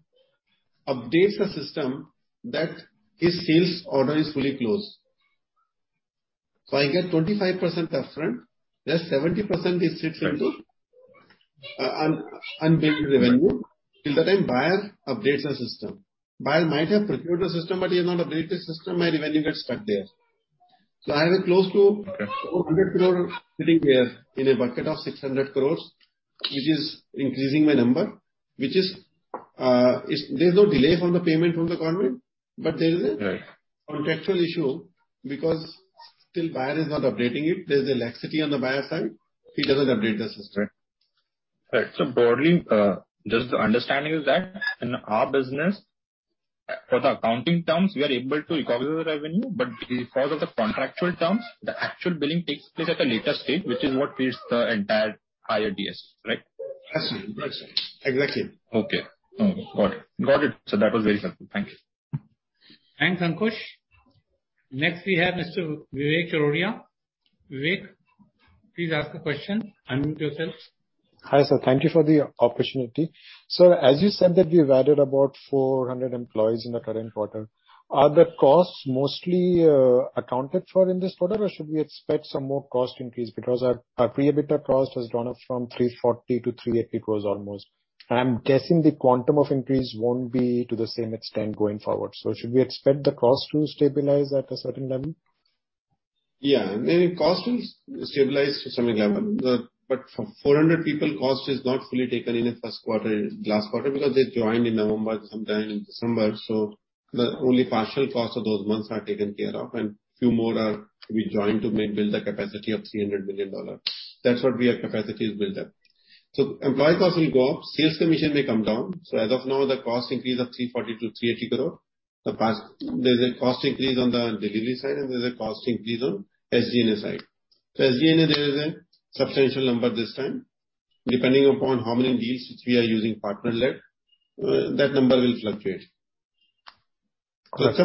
S2: updates the system that his sales order is fully closed. I get 25% upfront, 70% is sitting through unbilled revenue, till the time buyer updates the system. Buyer might have procured the system, but he has not updated system, my revenue gets stuck there. I have a close to-
S7: Okay.
S2: 400 crore sitting there in a bucket of 600 crores, which is increasing my number, which is, there's no delay from the payment from the government, but there is a
S7: Right.
S2: Contractual issue because till buyer is not updating it, there's a laxity on the buyer side. He doesn't update the system.
S7: Right. Broadly, just the understanding is that in our business, for the accounting terms, we are able to recover the revenue, but because of the contractual terms, the actual billing takes place at a later stage, which is what feeds the entire higher DSO. Right?
S2: That's it. Exactly.
S7: Okay. Got it. That was very helpful. Thank you.
S1: Thanks, Ankush. Next we have Vivek Arora, please ask a question. Unmute yourself.
S8: Hi, sir. Thank you for the opportunity. Sir, as you said that we have added about 400 employees in the current quarter. Are the costs mostly accounted for in this quarter or should we expect some more cost increase? Because our pre-EBITDA cost has gone up from 3.4 crore to 3.8 crore almost. I'm guessing the quantum of increase won't be to the same extent going forward. Should we expect the cost to stabilize at a certain level?
S2: Yeah. I mean, cost will stabilize to some level. For 400 people, cost is not fully taken in the first quarter, last quarter, because they joined in November, sometime in December, so the only partial cost of those months are taken care of, and a few more are to be joined to mainly build the capacity of $300 million. That's what we have capacity built up. Employee cost will go up. Sales commission may come down. As of now, the cost increase of 3.4 crore-3.8 crore. There's a cost increase on the delivery side and there's a cost increase on SG&A side. SG&A, there is a substantial number this time. Depending upon how many deals which we are using partner-led, that number will fluctuate.
S8: Okay.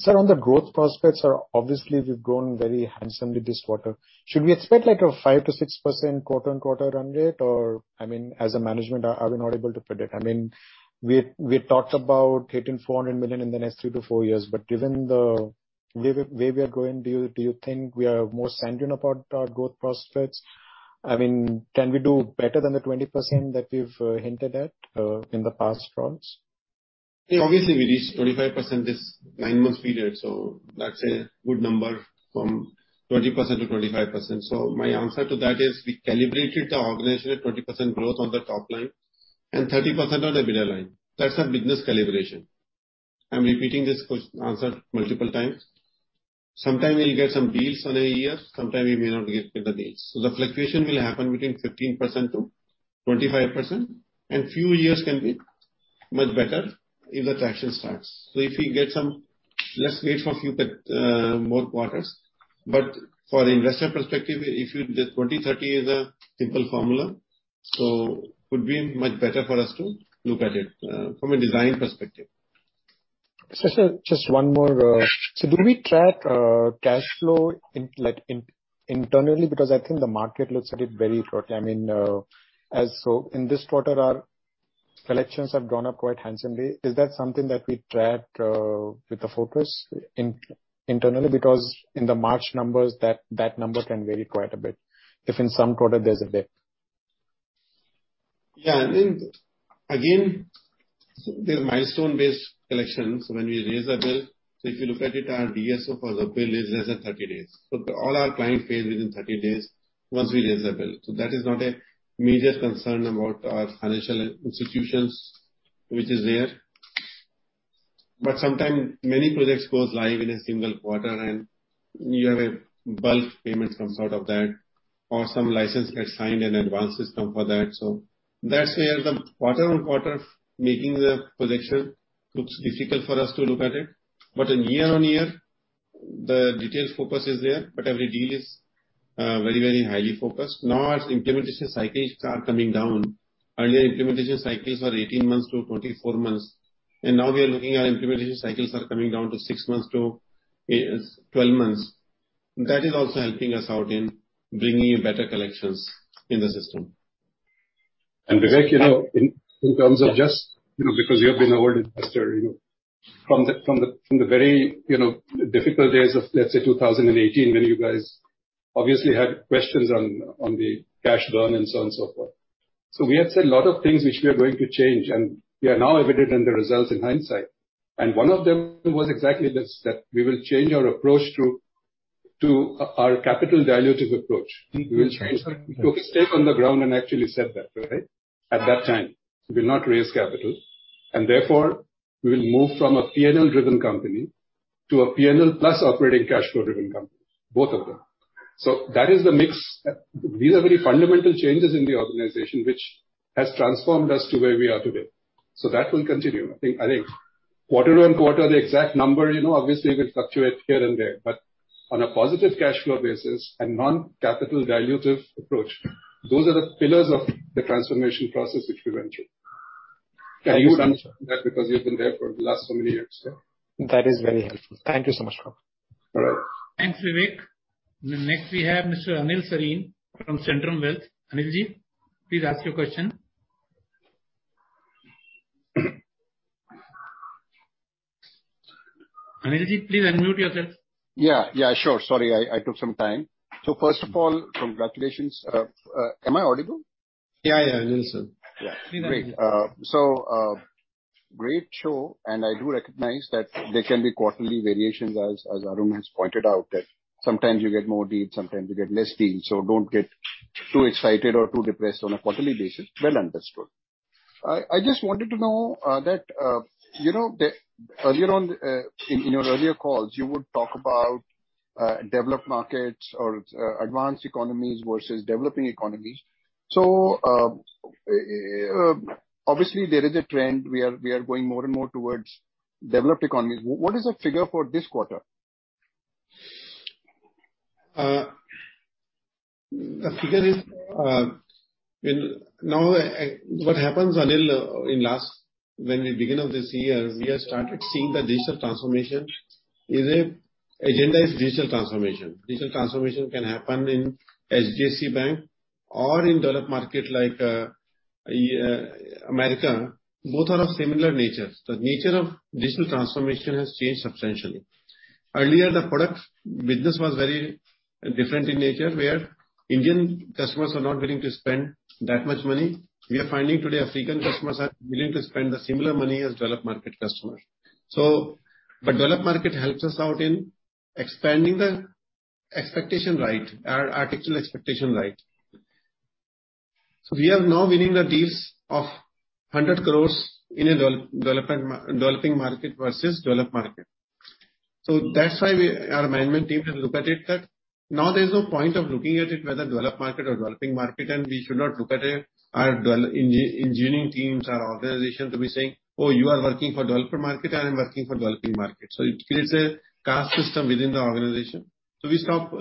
S8: Sir, on the growth prospects, sir, obviously we've grown very handsomely this quarter. Should we expect like a 5%-6% quarter-on-quarter run rate? Or, I mean, as a management, are we not able to predict? I mean, we talked about hitting 400 million in the next two to four years. Given the way we are going, do you think we are more sanguine about our growth prospects? I mean, can we do better than the 20% that we've hinted at in the past rounds?
S2: Yeah, obviously we reached 25% this nine-months period, so that's a good number from 20%-25%. My answer to that is we calibrated the organization at 20% growth on the top line and 30% on the EBITDA line. That's our business calibration. I'm repeating this question-answer multiple times. Sometimes we'll get some deals in a year, sometimes we may not get the deals. The fluctuation will happen between 15%-25%, and few years can be much better if the traction starts. If we get some, let's wait for a few more quarters. For investor perspective, if you, the 20-30 is a simple formula, so could be much better for us to look at it from a design perspective.
S8: Just one more. Do we track cash flow internally? Because I think the market looks at it very closely. I mean, so in this quarter our collections have gone up quite handsomely. Is that something that we track with a focus internally? Because in the March numbers, that number can vary quite a bit if in some quarter there's a dip.
S2: Yeah. I mean, again, there's milestone-based collections when we raise a bill. So if you look at it, our DSO for the bill is less than 30 days. So all our client pays within 30 days once we raise the bill. So that is not a major concern about our financial institutions which is there. Sometimes many projects goes live in a single quarter and you have a bulk payment some sort of that, or some license gets signed in advance system for that. So that's where the quarter-on-quarter making the collection looks difficult for us to look at it. But in year-on-year, the detailed focus is there. But every deal is very, very highly focused. Now its implementation cycles are coming down. Earlier, implementation cycles were 18-24 months, and now we are looking at implementation cycles are coming down to six to 12 months. That is also helping us out in bringing in better collections in the system. Vivek, you know, in terms of just, you know, because you have been our investor, you know, from the very, you know, difficult days of, let's say, 2018, when you guys obviously had questions on the cash burn and so on and so forth. We had said a lot of things which we are going to change, and it is now evident in the results in hindsight. One of them was exactly this, that we will change our approach to our capital dilutive approach.
S8: Mm-hmm.
S2: We took a stake in the ground and actually said that, right? At that time. We'll not raise capital and therefore we will move from a P&L-driven company to a P&L plus Operating Cash Flow-driven company, both of them. That is the mix. These are very fundamental changes in the organization which has transformed us to where we are today. That will continue. I think quarter-on-quarter, the exact number, you know, obviously will fluctuate here and there, but on a positive cash flow basis and non-capital dilutive approach, those are the pillars of the transformation process which we went through.
S8: Thank you so much, sir.
S2: That's because you've been there for the last so many years, yeah.
S8: That is very helpful. Thank you so much.
S2: All right.
S1: Thanks, Vivek. Next we have Mr. Anil Sarin from Centrum Wealth. Anil, please ask your question. Anil, please unmute yourself.
S9: Yeah, sure. Sorry, I took some time. First of all, congratulations. Am I audible?
S2: Yeah, yeah. Anil.
S9: Yeah. Great show, and I do recognize that there can be quarterly variations as Arun has pointed out, that sometimes you get more deals, sometimes you get less deals, so don't get too excited or too depressed on a quarterly basis. Well understood. I just wanted to know that you know earlier on in you know earlier calls, you would talk about developed markets or advanced economies versus developing economies. Obviously there is a trend. We are going more and more towards developed economies. What is the figure for this quarter?
S2: The figure is, now, what happens, Anil, in last, when in the beginning of this year, we have started seeing the digital transformation is an agenda. Digital transformation can happen in HDFC Bank or in developed market like America. Both are of similar nature. The nature of digital transformation has changed substantially. Earlier, the product business was very different in nature, where Indian customers are not willing to spend that much money. We are finding today African customers are willing to spend the similar money as developed market customers. The developed market helps us out in expanding the expectation right, our architectural expectation right. We are now winning the deals of 100 crore in a developing market versus developed market. That's why we, our management team has looked at it that now there's no point of looking at it whether developed market or developing market, and we should not look at it, our engineering teams, our organization to be saying, "Oh, you are working for developed market, I am working for developing market." It creates a caste system within the organization. We stop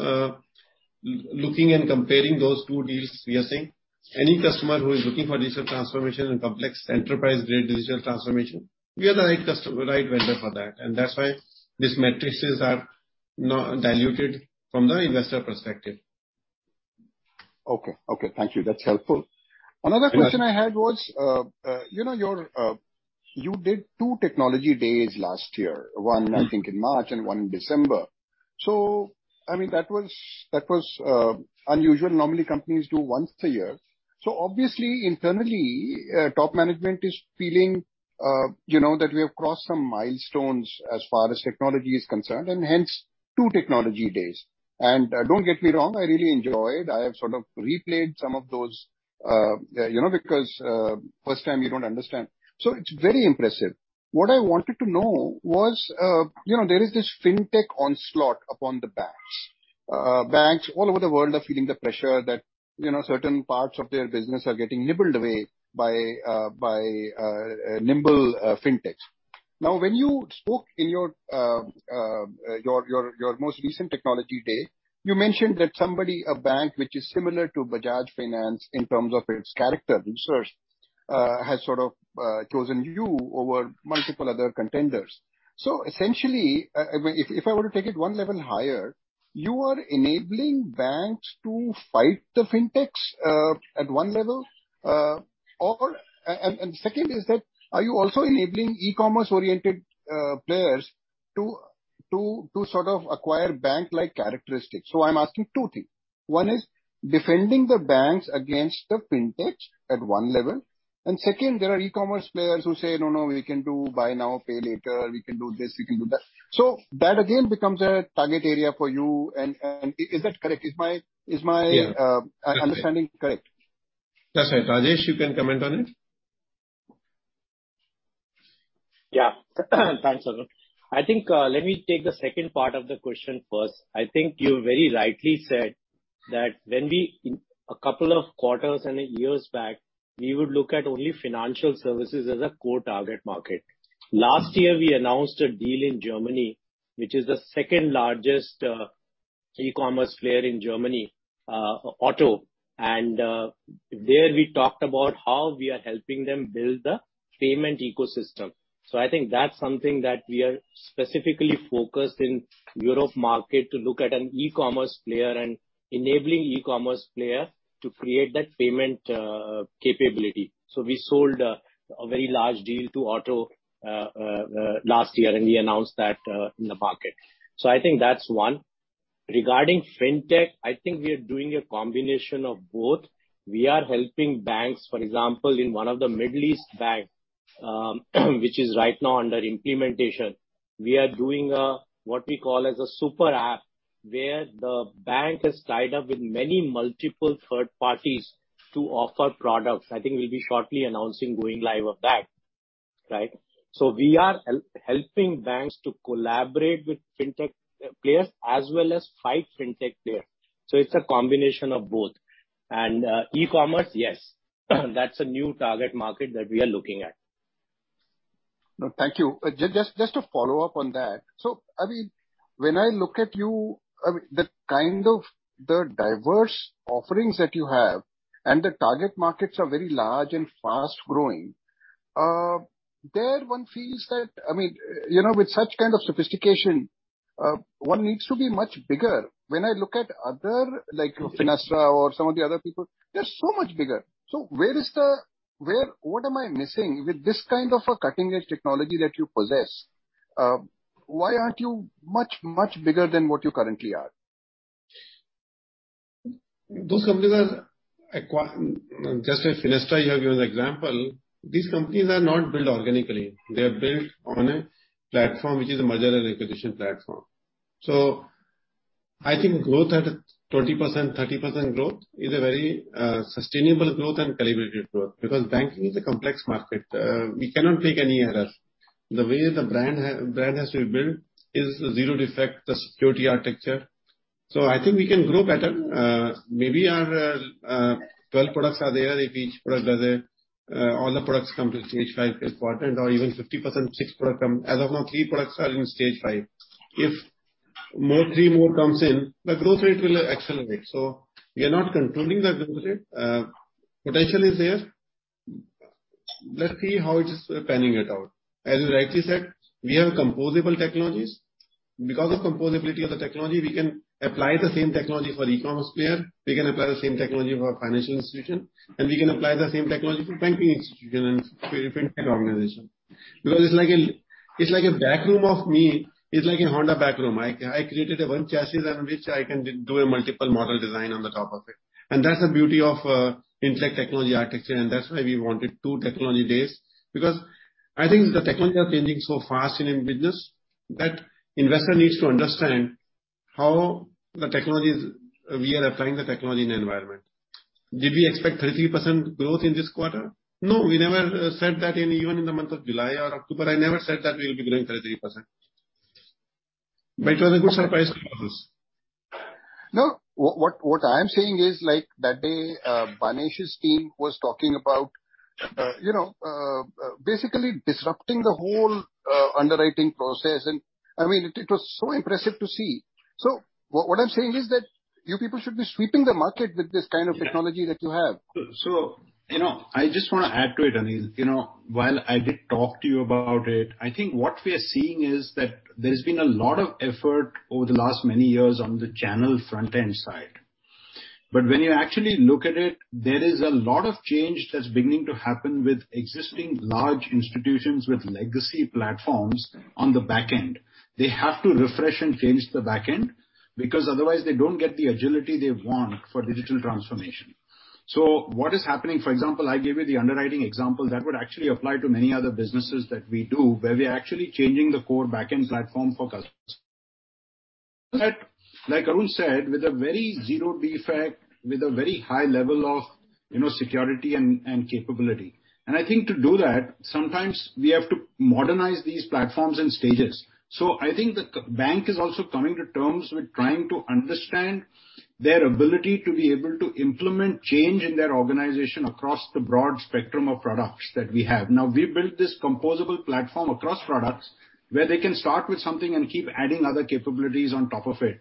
S2: looking and comparing those two deals. We are saying any customer who is looking for digital transformation and complex enterprise grade digital transformation, we are the right vendor for that. That's why these matrices are now diluted from the investor perspective.
S9: Okay. Thank you. That's helpful.
S2: Yes.
S9: Another question I had was, you know, you did two technology days last year.
S2: Mm-hmm.
S9: One I think in March and one in December. I mean, that was unusual. Normally companies do once a year. Obviously internally, top management is feeling, you know, that we have crossed some milestones as far as technology is concerned, and hence two technology days. Don't get me wrong, I really enjoyed. I have sort of replayed some of those, you know, because first time you don't understand. It's very impressive. What I wanted to know was, you know, there is this fintech onslaught upon the banks. Banks all over the world are feeling the pressure that, you know, certain parts of their business are getting nibbled away by nimble fintechs. Now, when you spoke in your most recent technology day, you mentioned that somebody, a bank which is similar to Bajaj Finance in terms of its character, has sort of chosen you over multiple other contenders. Essentially, I mean, if I were to take it one level higher, you are enabling banks to fight the fintechs at one level, or and second is that are you also enabling e-commerce oriented players to sort of acquire bank-like characteristics? I'm asking two things. One is defending the banks against the fintechs at one level. Second, there are e-commerce players who say, "No, no, we can do buy now, pay later, we can do this, we can do that." That again becomes a target area for you. Is that correct? Is my.
S2: Yeah.
S9: Understanding correct?
S2: That's right. Rajesh, you can comment on it.
S10: Yeah. Thanks, Arun. I think, let me take the second part of the question first. I think you very rightly said that when we, a couple of quarters and years back, we would look at only financial services as a core target market. Last year we announced a deal in Germany, which is the second largest e-commerce player in Germany, OTTO. There we talked about how we are helping them build the payment ecosystem. I think that's something that we are specifically focused in Europe market to look at an e-commerce player and enabling e-commerce player to create that payment capability. We sold a very large deal to OTTO last year, and we announced that in the market. I think that's one. Regarding fintech, I think we are doing a combination of both. We are helping banks, for example, in one of the Middle East banks, which is right now under implementation. We are doing what we call as a super app, where the bank has tied up with many multiple third parties to offer products. I think we'll be shortly announcing going live of that, right? We are helping banks to collaborate with fintech players as well as five fintech players. It's a combination of both. E-commerce, yes, that's a new target market that we are looking at.
S9: No, thank you. Just to follow up on that. I mean, when I look at you, I mean, the kind of the diverse offerings that you have and the target markets are very large and fast growing, there one feels that. I mean, you know, with such kind of sophistication, one needs to be much bigger. When I look at other, like Finastra or some of the other people, they're so much bigger. What am I missing? With this kind of a cutting-edge technology that you possess, why aren't you much, much bigger than what you currently are?
S2: Just like Finastra, you have given the example, these companies are not built organically. They are built on a platform which is a merger and acquisition platform. I think growth at 20%, 30% growth is a very sustainable growth and calibrated growth. Because banking is a complex market. We cannot take any errors. The way the brand has to be built is zero defect, the security architecture. I think we can grow better. Maybe our 12 products are there. If all the products come to stage five is important, or even 50% six products come. As of now, three products are in stage five. If three more come in, the growth rate will accelerate. We are not concluding the growth rate. Potential is there. Let's see how it is panning out. As you rightly said, we have composable technologies. Because of composability of the technology, we can apply the same technology for e-commerce player, we can apply the same technology for financial institution, and we can apply the same technology for banking institution and for different organization. Because it's like a backroom of me, it's like a Honda backroom. I created a one chassis on which I can do a multiple model design on the top of it. That's the beauty of Intellect technology architecture, and that's why we wanted two technology days. Because I think the technology are changing so fast in business that investor needs to understand how the technologies we are applying the technology in the environment. Did we expect 33% growth in this quarter? No, we never said that in even in the month of July or October, I never said that we will be growing 33%. It was a good surprise for us.
S9: No, what I am saying is, like, that day, Banesh's team was talking about, you know, basically disrupting the whole underwriting process and, I mean, it was so impressive to see. What I'm saying is that you people should be sweeping the market with this kind of technology that you have.
S5: You know, I just wanna add to it, Anil. You know, while I did talk to you about it, I think what we are seeing is that there's been a lot of effort over the last many years on the channel front-end side. But when you actually look at it, there is a lot of change that's beginning to happen with existing large institutions with legacy platforms on the back end. They have to refresh and change the back end, because otherwise they don't get the agility they want for digital transformation. What is happening, for example, I gave you the underwriting example, that would actually apply to many other businesses that we do, where we are actually changing the core back-end platform for customers. But like Arun said, with a very zero defect, with a very high level of, you know, security and capability. I think to do that, sometimes we have to modernize these platforms in stages. I think the core bank is also coming to terms with trying to understand their ability to be able to implement change in their organization across the broad spectrum of products that we have. Now, we built this composable platform across products where they can start with something and keep adding other capabilities on top of it.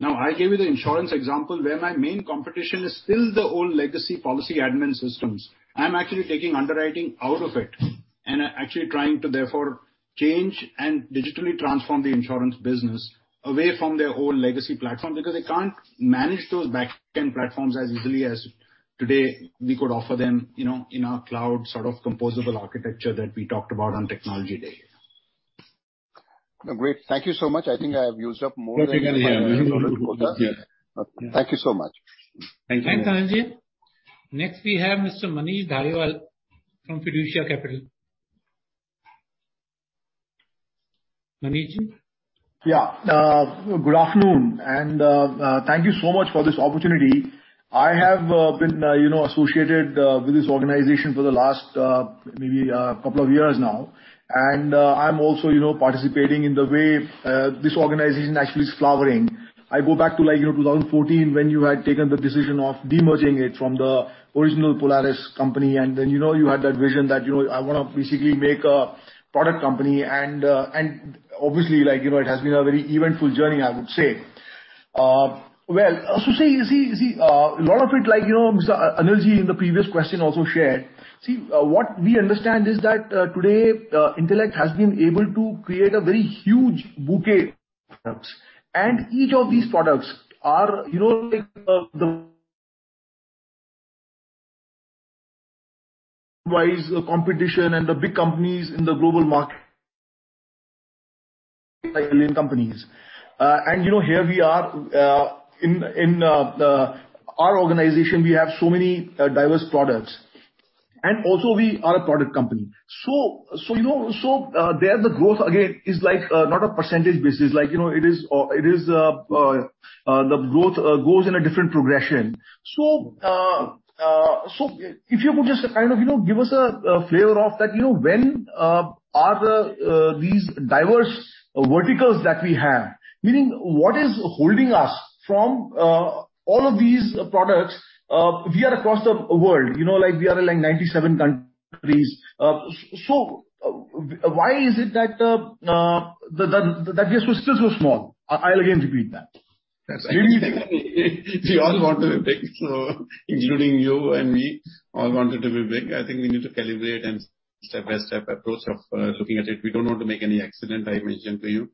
S5: Now, I gave you the insurance example where my main competition is still the old legacy policy admin systems. I'm actually taking underwriting out of it and actually trying to therefore change and digitally transform the insurance business away from their old legacy platform because they can't manage those back-end platforms as easily as today we could offer them, you know, in our cloud sort of composable architecture that we talked about on Technology Day.
S9: No, great. Thank you so much. I think I have used up more than my allotted quota.
S2: Yes.
S9: Thank you so much.
S5: Thank you.
S1: Thanks, Anil. Next we have Mr. Manish Dhariwal from Fiducia Capital. Manish?
S11: Yeah. Good afternoon and thank you so much for this opportunity. I have been you know associated with this organization for the last maybe couple of years now. I'm also you know participating in the way this organization actually is flowering. I go back to like you know 2014 when you had taken the decision of demerging it from the original Polaris company, and then you know you had that vision that you know I wanna basically make a product company and obviously like you know it has been a very eventful journey, I would say. Well, see a lot of it like you know Mr. Anil Sarin in the previous question also shared. See, what we understand is that, today, Intellect has been able to create a very huge bouquet of products. Each of these products are, you know, like, the worldwide competition and the big companies in the global market like billion companies. You know, here we are in our organization, we have so many diverse products. Also we are a product company. You know, the growth again is like not a percentage basis. You know, it is the growth grows in a different progression. If you could just kind of, you know, give us a flavor of that, you know, when are the these diverse verticals that we have, meaning what is holding us from all of these products, we are across the world, you know, like we are 97 countries. Why is it that that base was still so small? I'll again repeat that.
S2: We all want to be big, so including you and me all wanted to be big. I think we need to calibrate and step-by-step approach of looking at it. We don't want to make any accident, I mentioned to you.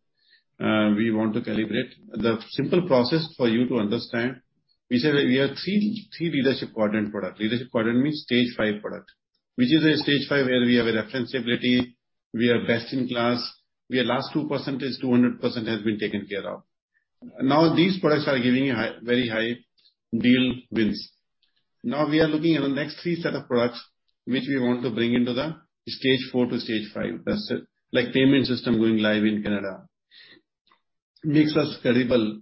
S2: We want to calibrate. The simple process for you to understand, we said we have three leadership quadrant products. Leadership quadrant means stage five product, which is a stage five where we have a referenceability, we are best in class. We are last 2% is 200% has been taken care of. Now, these products are giving high, very high deal wins. Now we are looking at the next three set of products which we want to bring into the Stage 4 to Stage 5. That's it. Like payment system going live in Canada makes us credible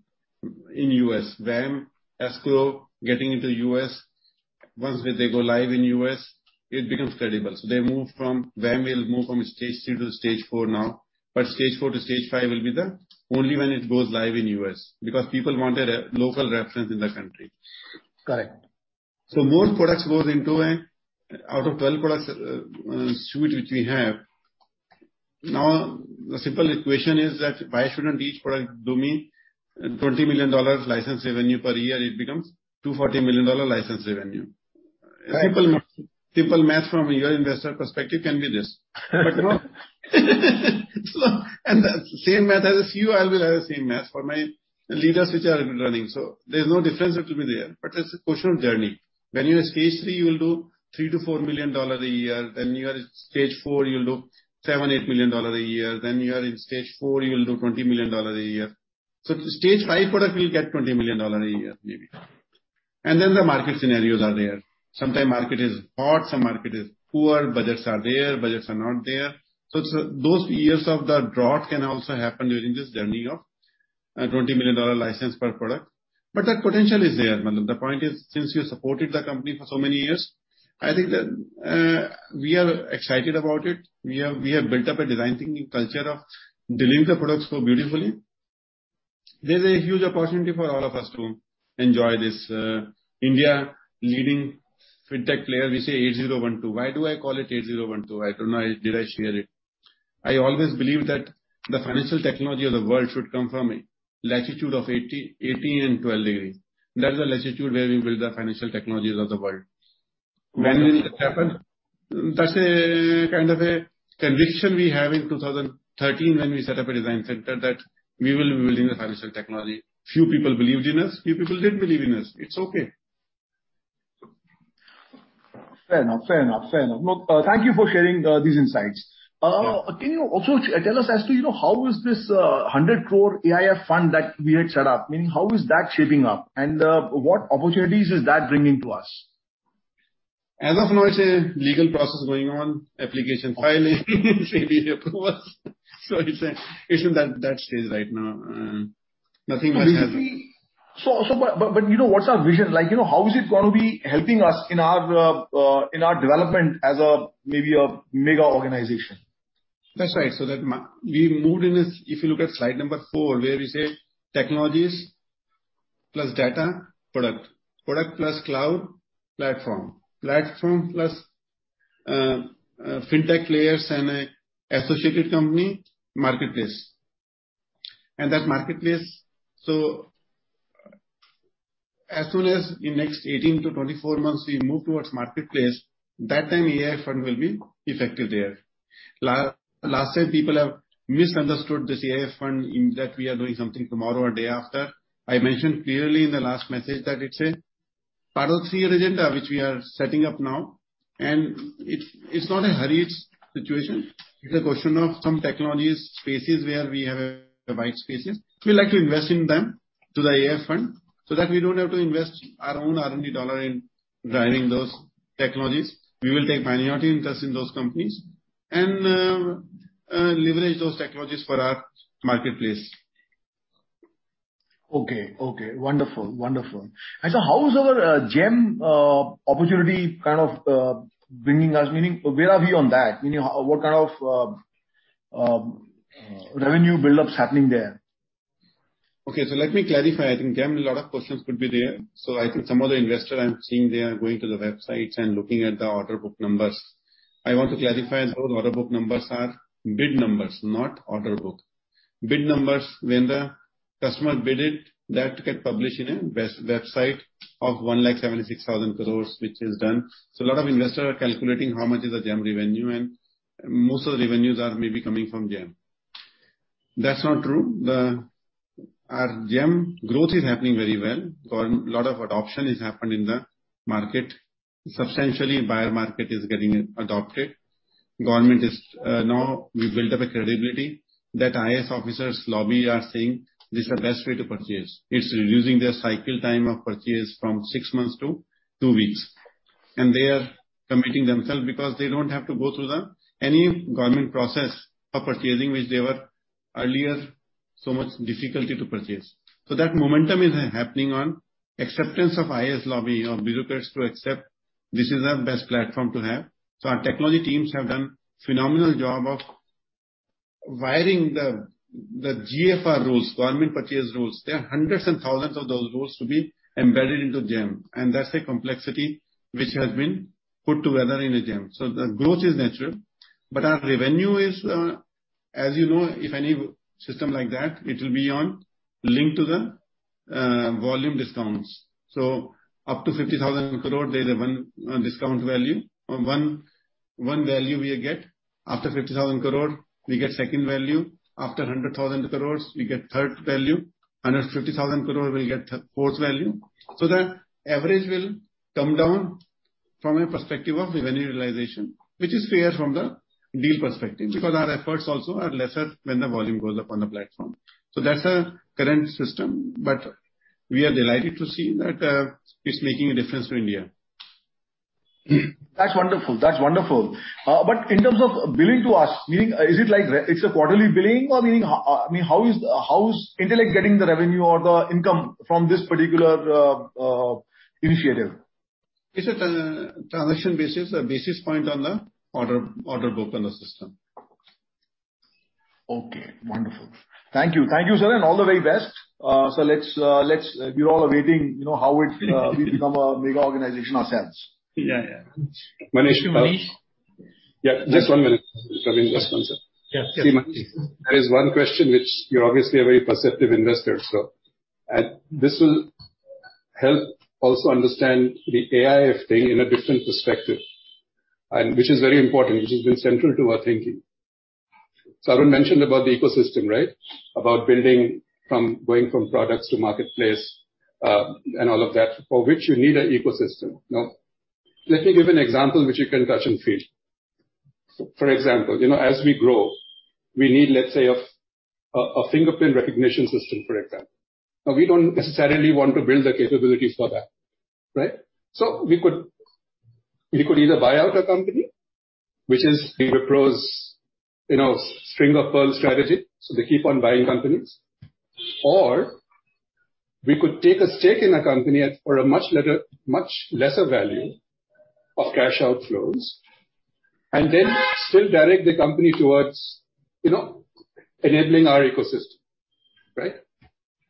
S2: in U.S. VAM, escrow getting into U.S. Once they go live in U.S., it becomes credible. VAM will move from stage two to stage four now. Stage four to stage five will be only when it goes live in U.S., because people want a local reference in the country.
S11: Correct.
S2: Out of 12 products, suite which we have, now the simple equation is that why shouldn't each product do me $20 million license revenue per year, it becomes $240 million dollar license revenue.
S11: Right.
S2: Simple math from an investor perspective can be this. The same math as a Chief Executive Officer, I will have the same math for my leaders which are running. There's no difference that will be there, but it's a question of journey. When you are stage three, you will do $3 million-$4 million a year. Then you are at Stage 4, you'll do $7 million-$8 million a year. Then you are in Stage 4, you'll do $20 million a year. Stage 5 product will get $20 million a year, maybe. Then the market scenarios are there. Sometimes market is hot, some market is poor, budgets are there, budgets are not there. Those years of the drought can also happen during this journey of a $20 million license per product, but that potential is there. I mean, the point is, since you supported the company for so many years, I think that we are excited about it. We have built up a design thinking culture of delivering the products so beautifully. There's a huge opportunity for all of us to enjoy this India-leading fintech player. We say eight, zero, one, two. Why do I call it eight, zero, one, two? I don't know. Did I share it? I always believe that the financial technology of the world should come from a latitude of 80, 18 and 12 degrees. That's the latitude where we build the financial technologies of the world.
S11: Okay.
S2: When will it happen? That's a kind of a conviction we have in 2013 when we set up a design center that we will be building the financial technology. Few people believed in us, few people didn't believe in us. It's okay.
S11: Fair enough. Look, thank you for sharing these insights.
S2: Yeah.
S11: Can you also tell us as to, you know, how is this 100 crore AIF fund that we had set up? Meaning how is that shaping up, and what opportunities is that bringing to us?
S2: As of now, it's a legal process going on, application filing, SEBI approvals. It's an issue that's staged right now. Nothing much happening.
S11: you know, what's our vision? Like, you know, how is it gonna be helping us in our development as a, maybe a mega organization?
S2: That's right. We moved in this, if you look at slide number four, where we say technologies plus data, product. Product plus cloud, platform. Platform plus FinTech players and an associated company, marketplace. That marketplace as soon as in next 18-24 months we move towards marketplace, that time AIF fund will be effective there. Last time people have misunderstood this AIF fund in that we are doing something tomorrow or day after. I mentioned clearly in the last message that it's a part of CEIR agenda which we are setting up now, and it's not a hurried situation. It's a question of some technologies, spaces where we have white spaces. We like to invest in them to the AIF fund, so that we don't have to invest our own R&D dollar in driving those technologies. We will take minority interest in those companies and leverage those technologies for our marketplace.
S11: Okay. Wonderful. How is our GeM opportunity kind of bringing us? Meaning, where are we on that? Meaning, what kind of revenue build-up's happening there?
S2: I think GeM, a lot of questions could be there. I think some of the investors I'm seeing, they are going to the websites and looking at the order book numbers. I want to clarify as those order book numbers are bid numbers, not order book. Bid numbers, when the customer bid, that get published in a website of 1,76,000 crore, which is done. A lot of investors are calculating how much is the GeM revenue and most of the revenues are maybe coming from GeM. That's not true. Our GeM growth is happening very well. Lot of adoption is happening in the market. Substantially, buyer market is getting adopted. Government is now we built up a credibility that IAS officers lobby are saying this is the best way to purchase. It's reducing their cycle time of purchase from 6 months to 2 weeks. They are committing themselves because they don't have to go through any government process of purchasing which there were earlier so much difficulty to purchase. That momentum is happening on acceptance of IAS lobby or bureaucrats to accept this is our best platform to have. Our technology teams have done phenomenal job of wiring the GFR rules, government purchase rules. There are hundreds and thousands of those rules to be embedded into GeM, and that's the complexity which has been put together in the GeM. The growth is natural, but our revenue is, as you know, if any system like that, it will be on link to the volume discounts. Up to 50,000 crore, there's a one discount value. One value we get. After 50,000 crore, we get second value. After 100,000 crores, we get third value. Another 50,000 crore, we'll get fourth value. The average will come down from a perspective of revenue realization, which is fair from the deal perspective, because our efforts also are lesser when the volume goes up on the platform. That's the current system, but we are delighted to see that it's making a difference to India.
S11: That's wonderful. In terms of billing to us, meaning, is it quarterly billing or, meaning, I mean, how is Intellect getting the revenue or the income from this particular initiative?
S2: It's a transaction basis, a basis point on the order book on the system.
S11: Okay, wonderful. Thank you. Thank you, sir, and all the very best. We're all awaiting, you know, how we become a mega organization ourselves.
S2: Yeah, yeah.
S1: Thank you, Manish.
S2: Yeah, just one minute. I mean, just one second.
S1: Yes.
S2: See, Manish, there is one question which you obviously are very perceptive investor, so this will help also understand the AIF thing in a different perspective and which is very important, which has been central to our thinking. Tarun mentioned about the ecosystem, right? About building going from products to marketplace, and all of that, for which you need an ecosystem. No? Let me give an example which you can touch and feel. For example, you know, as we grow, we need, let's say a fingerprint recognition system, for example. Now, we don't necessarily want to build the capabilities for that, right? So we could either buy out a company, which is the Wipro's, you know, string of pearls strategy, so they keep on buying companies. We could take a stake in a company at, for a much lesser value of cash outflows, and then still direct the company towards, you know, enabling our ecosystem, right?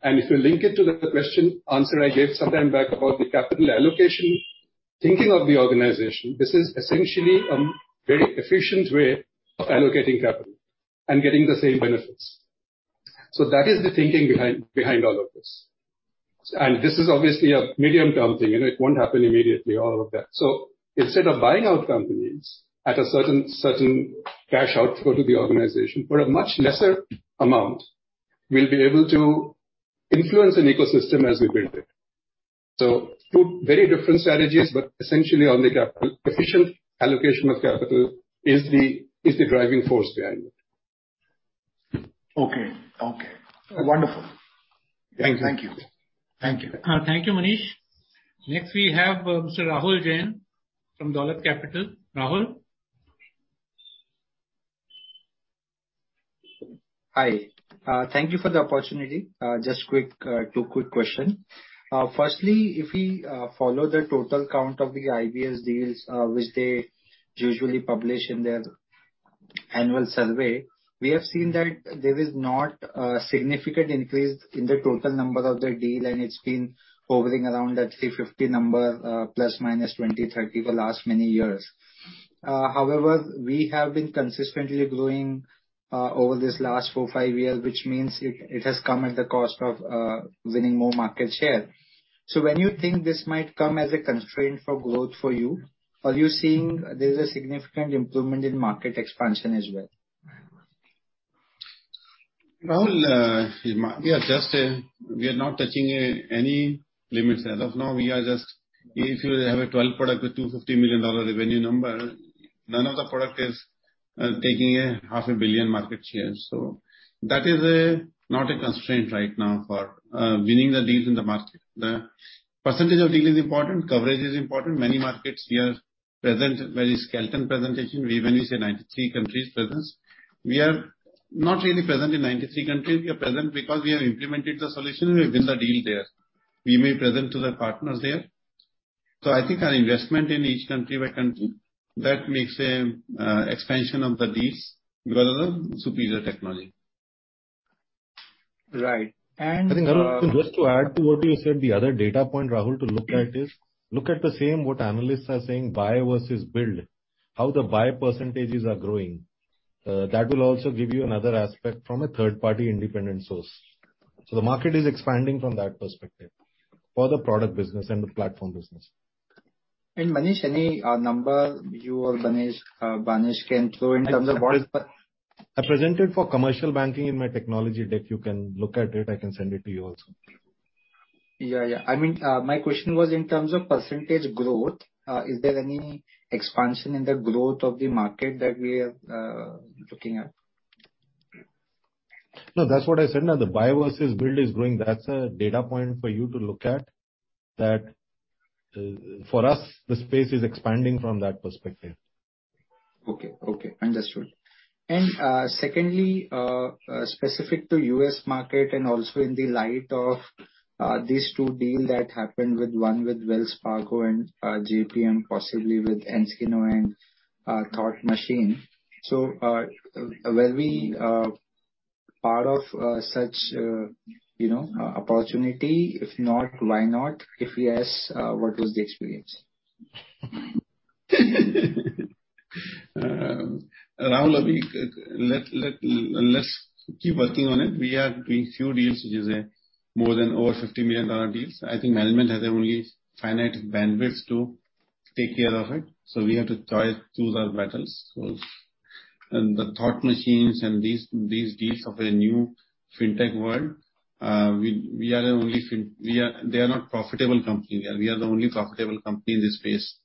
S2: If you link it to the question answer I gave some time back about the capital allocation, thinking of the organization, this is essentially very efficient way of allocating capital and getting the same benefits. That is the thinking behind all of this. This is obviously a medium-term thing, you know, it won't happen immediately, all of that. Instead of buying out companies at a certain cash outflow to the organization, for a much lesser amount, we'll be able to influence an ecosystem as we build it. Two very different strategies, but essentially on the capital. Efficient allocation of capital is the driving force behind it.
S11: Okay. Wonderful.
S2: Thank you.
S11: Thank you..
S1: Thank you, Manish. Next, we have Mr. Rahul Jain from Dolat Capital. Rahul?
S12: Hi. Thank you for the opportunity. Just quick, two quick question. Firstly, if we follow the total count of the IBS deals, which they usually publish in their annual survey, we have seen that there is not a significant increase in the total number of their deal, and it's been hovering around that 350 number, plus minus 20, 30 the last many years. However, we have been consistently growing over this last four, five years, which means it has come at the cost of winning more market share. When you think this might come as a constraint for growth for you, are you seeing there's a significant improvement in market expansion as well?
S2: Rahul, we are just not touching any limits. As of now, we are just. If you have a 12 product with $250 million revenue number, none of the product is taking $500 million market share. That is not a constraint right now for winning the deals in the market. The percentage of deal is important, coverage is important. Many markets we are present, very skeletal presence. We even say 93 countries presence. We are not really present in 93 countries. We are present because we have implemented the solution, we've won the deal there. We may present to the partners there. I think our investment in each country by country, that makes a expansion of the deals because of the superior technology.
S12: Right.
S2: I think, Rahul, just to add to what you said, the other data point, Rahul, to look at is, look at the same, what analysts are saying, buy versus build. How the buy percentages are growing. That will also give you another aspect from a third party independent source. The market is expanding from that perspective for the product business and the platform business.
S12: Manish, any number you or Banesh can throw in terms of what is.
S2: I presented for commercial banking in my technology deck. You can look at it. I can send it to you also.
S12: Yeah. I mean, my question was in terms of percentage growth, is there any expansion in the growth of the market that we are looking at?
S2: No, that's what I said. Now the buy versus build is growing. That's a data point for you to look at that, for us, the space is expanding from that perspective.
S12: Okay. Understood. Secondly, specific to the U.S. market and also in the light of these two deals that happened, one with Wells Fargo and J.P. Morgan Chase, possibly with Ensono and Thought Machine. Were we part of such, you know, opportunity? If not, why not? If yes, what was the experience?
S2: Rahul, let's keep working on it. We are doing a few deals which are more than $50 million deals. I think management has only finite bandwidth to take care of it. We have to try choose our battles. The Thought Machine and these deals of a new fintech world, we are the only fintech. They are not profitable company. We are the only profitable company in this space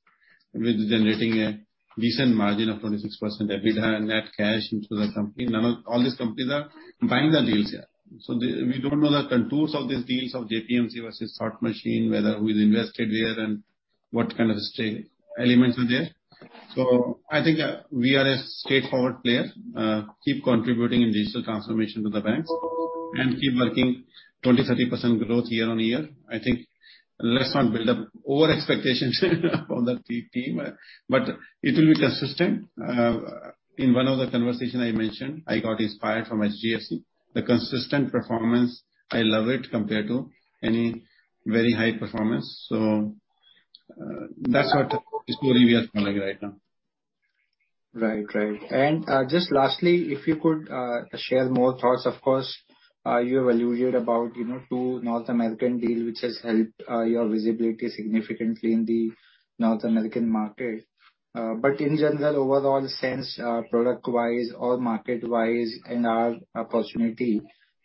S2: with generating a decent margin of 26% EBITDA and net cash into the company. All these companies are buying the deals here. We don't know the contours of these deals of J.P. Morgan Chase Versus Thought Machine, whether who is invested where and what kind of strategic elements are there. I think we are a straightforward player, keep contributing in digital transformation to the banks and keep working 20%-30% growth year-on-year. I think let's not build up overexpectations on the team, but it will be consistent. In one of the conversation I mentioned, I got inspired from HDFC. The consistent performance, I love it compared to any very high performance. That's what the story we are following right now.
S12: Right. Just lastly, if you could share more thoughts. Of course, you have alluded about, you know, two North American deals which has helped your visibility significantly in the North American market. But in general, overall sense, product-wise or market-wise and our opportunity,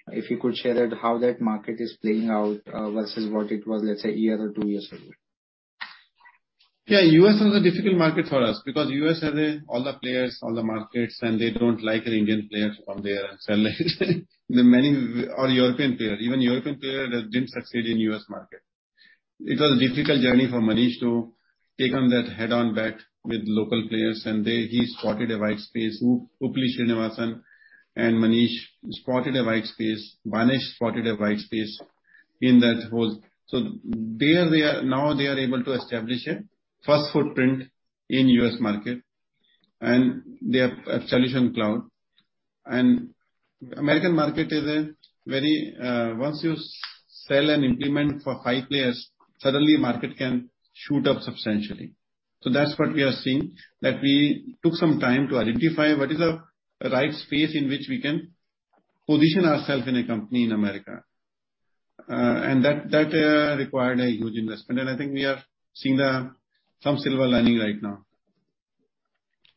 S12: if you could share that, how that market is playing out versus what it was, let's say a year or two years ago.
S2: Yeah, U.S. is a difficult market for us because U.S. has all the players, all the markets, and they don't like an Indian player to come there and sell. Or European player. Even European player has not succeeded in U.S. market. It was a difficult journey for Manish to take on that head-on bet with local players. He spotted a white space. Uppili Srinivasan and Manish spotted a white space. Manish spotted a white space in that whole. There they are, now they are able to establish a first footprint in U.S. market and their solution cloud. American market is a very, once you sell and implement for high players, suddenly market can shoot up substantially. That's what we are seeing. We took some time to identify what is the right space in which we can position ourselves as a company in America. That required a huge investment. I think we are seeing some silver lining right now.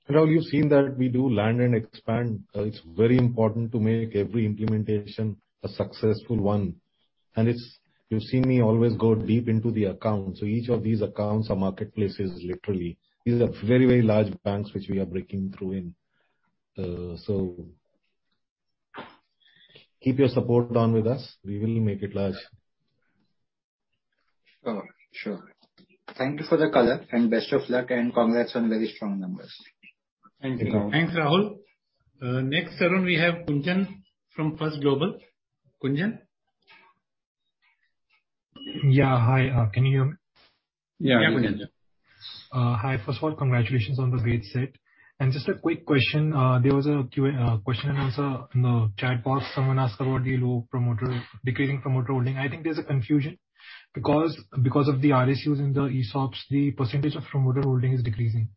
S5: Now you've seen that we do learn and expand. It's very important to make every implementation a successful one. It's you've seen me always go deep into the accounts. Each of these accounts are marketplaces, literally. These are very, very large banks which we are breaking through in. Keep your support on with us. We will make it large.
S12: Sure. Thank you for the color and best of luck and congrats on very strong numbers.
S2: Thank you, Rahul.
S5: Thanks, Rahul.
S1: Next Arun, we have Kunjan from First Global. Kunjan?
S13: Yeah. Hi, can you hear me?
S2: Yeah.
S5: Yeah, Kunjan.
S13: Hi. First of all, congratulations on the great set. Just a quick question. There was a Q&A in the chat box. Someone asked about the low promoter, decreasing promoter holding. I think there's a confusion. Because of the RSUs and the ESOPs, the percentage of promoter holding is decreasing.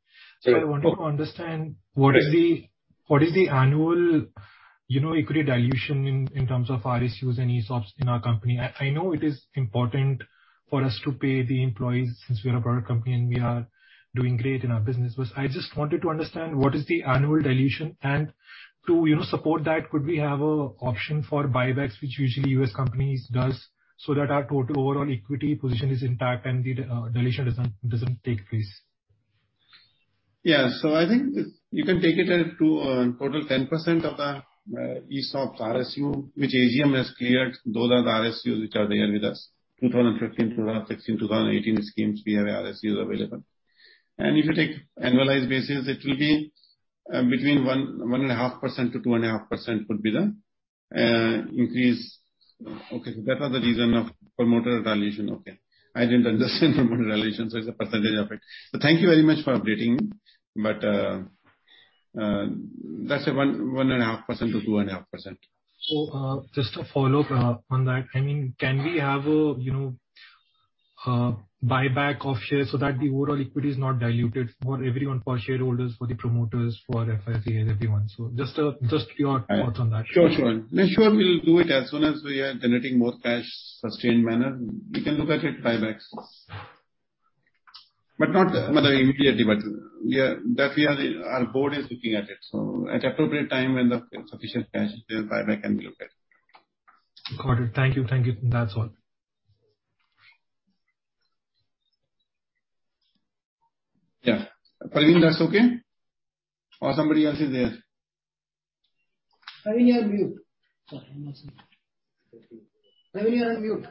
S13: I wanted to understand what is the annual, you know, equity dilution in terms of RSUs and ESOPs in our company. I know it is important for us to pay the employees since we are a private company and we are doing great in our business. I just wanted to understand what is the annual dilution, and to, you know, support that, could we have a option for buybacks, which usually U.S. companies does, so that our total overall equity position is intact and the dilution doesn't take place.
S2: Yeah. I think it's you can take it as a total 10% of the ESOPs, RSUs, which AGM has cleared. Those are the RSUs which are there with us. 2015, 2016, 2018 schemes we have RSUs available. If you take annualized basis, it will be between 1.5%-2.5% would be the increase. Okay. That was the reason of promoter dilution. Okay. I didn't understand promoter dilution, so it's a percentage of it. Thank you very much for updating me. That's 1.5%-2.5%.
S13: Just to follow up on that, I mean, can we have a, you know, a buyback of shares so that the overall equity is not diluted for everyone, for shareholders, for the promoters, for FII and everyone? Just your thoughts on that.
S2: Sure. No, sure, we'll do it as soon as we are generating more cash, sustained manner. We can look at it, buybacks. Not immediately, but we are, our board is looking at it. At appropriate time when the sufficient cash is there, buyback can be looked at.
S13: Got it. Thank you. Thank you. That's all.
S2: Yeah. Praveen, that's okay? Or somebody else is there?
S5: Praveen, you're on mute.
S1: Sorry.
S5: Praveen, you're on mute.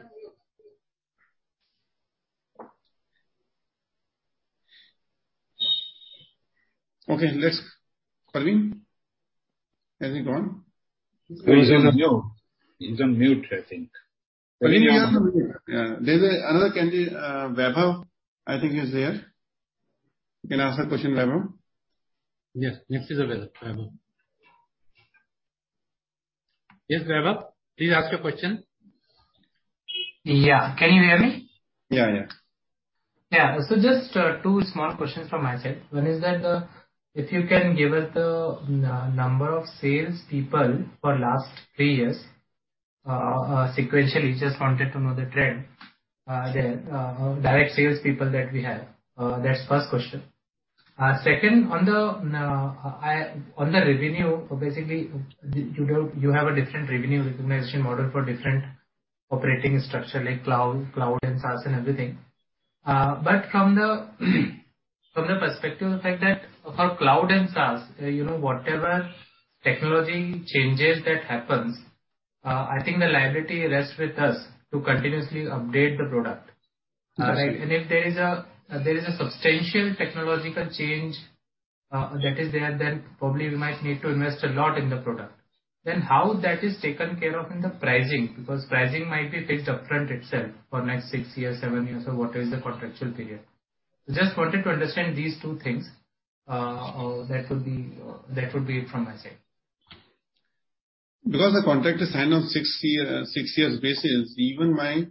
S2: Praveen? Has he gone?
S5: He's on mute.
S2: He's on mute, I think.
S5: Praveen, you have to mute.
S2: Yeah. There's another candidate, Vaibhav. I think he's there. You can ask the question, Vaibhav.
S5: Yes. Next is available, Vaibhav. Yes, Vaibhav, please ask your question.
S14: Yeah. Can you hear me?
S2: Yeah, yeah.
S14: Just two small questions from my side. One is that if you can give us the number of sales people for last three years sequentially, just wanted to know the trend there, direct sales people that we have. That's first question. Second, on the revenue, basically, you have a different revenue recognition model for different operating structure like cloud and SaaS and everything. From the perspective of the fact that for cloud and SaaS, you know, whatever technology changes that happens, I think the liability rests with us to continuously update the product.
S2: Absolutely.
S14: Right. If there is a substantial technological change that is there, then probably we might need to invest a lot in the product. How that is taken care of in the pricing? Because pricing might be fixed upfront itself for next six years, seven years, or what is the contractual period? Just wanted to understand these two things, that would be it from my side.
S2: Because the contract is signed on six years basis, even my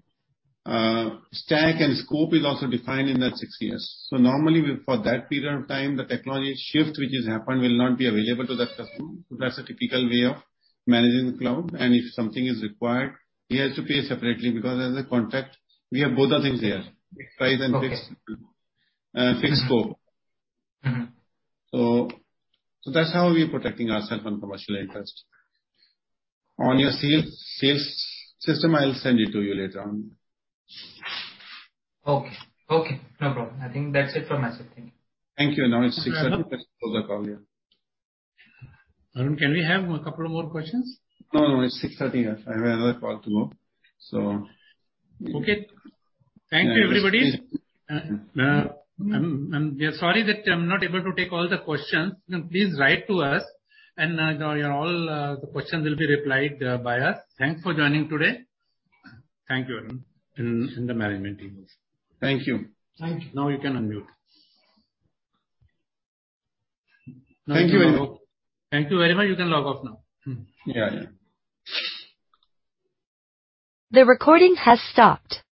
S2: stack and scope is also defined in that six years. Normally we, for that period of time, the technology shift which has happened will not be available to that customer. That's a typical way of managing the cloud. If something is required, he has to pay separately because as a contract, we have both the things there.
S14: Okay.
S2: Price and fixed scope.
S14: Mm-hmm.
S2: That's how we're protecting ourself on commercial interest. On your sales system, I'll send it to you later on.
S14: Okay. Okay. No problem. I think that's it from my side. Thank you.
S2: Thank you. Now it's 6:30 P.M. Let's close the call here.
S1: Arun, can we have a couple of more questions?
S2: No, no, it's 6:30. I have another call to go, so. Thank you, everybody. We are sorry that I'm not able to take all the questions. No, please write to us and your all the questions will be replied by us. Thanks for joining today.
S1: Thank you, Arun, and the management teams.
S2: Thank you.
S5: Thank you.
S1: Now you can unmute. Thank you, everyone.
S5: Thank you, everyone. You can log off now.
S2: Yeah, yeah.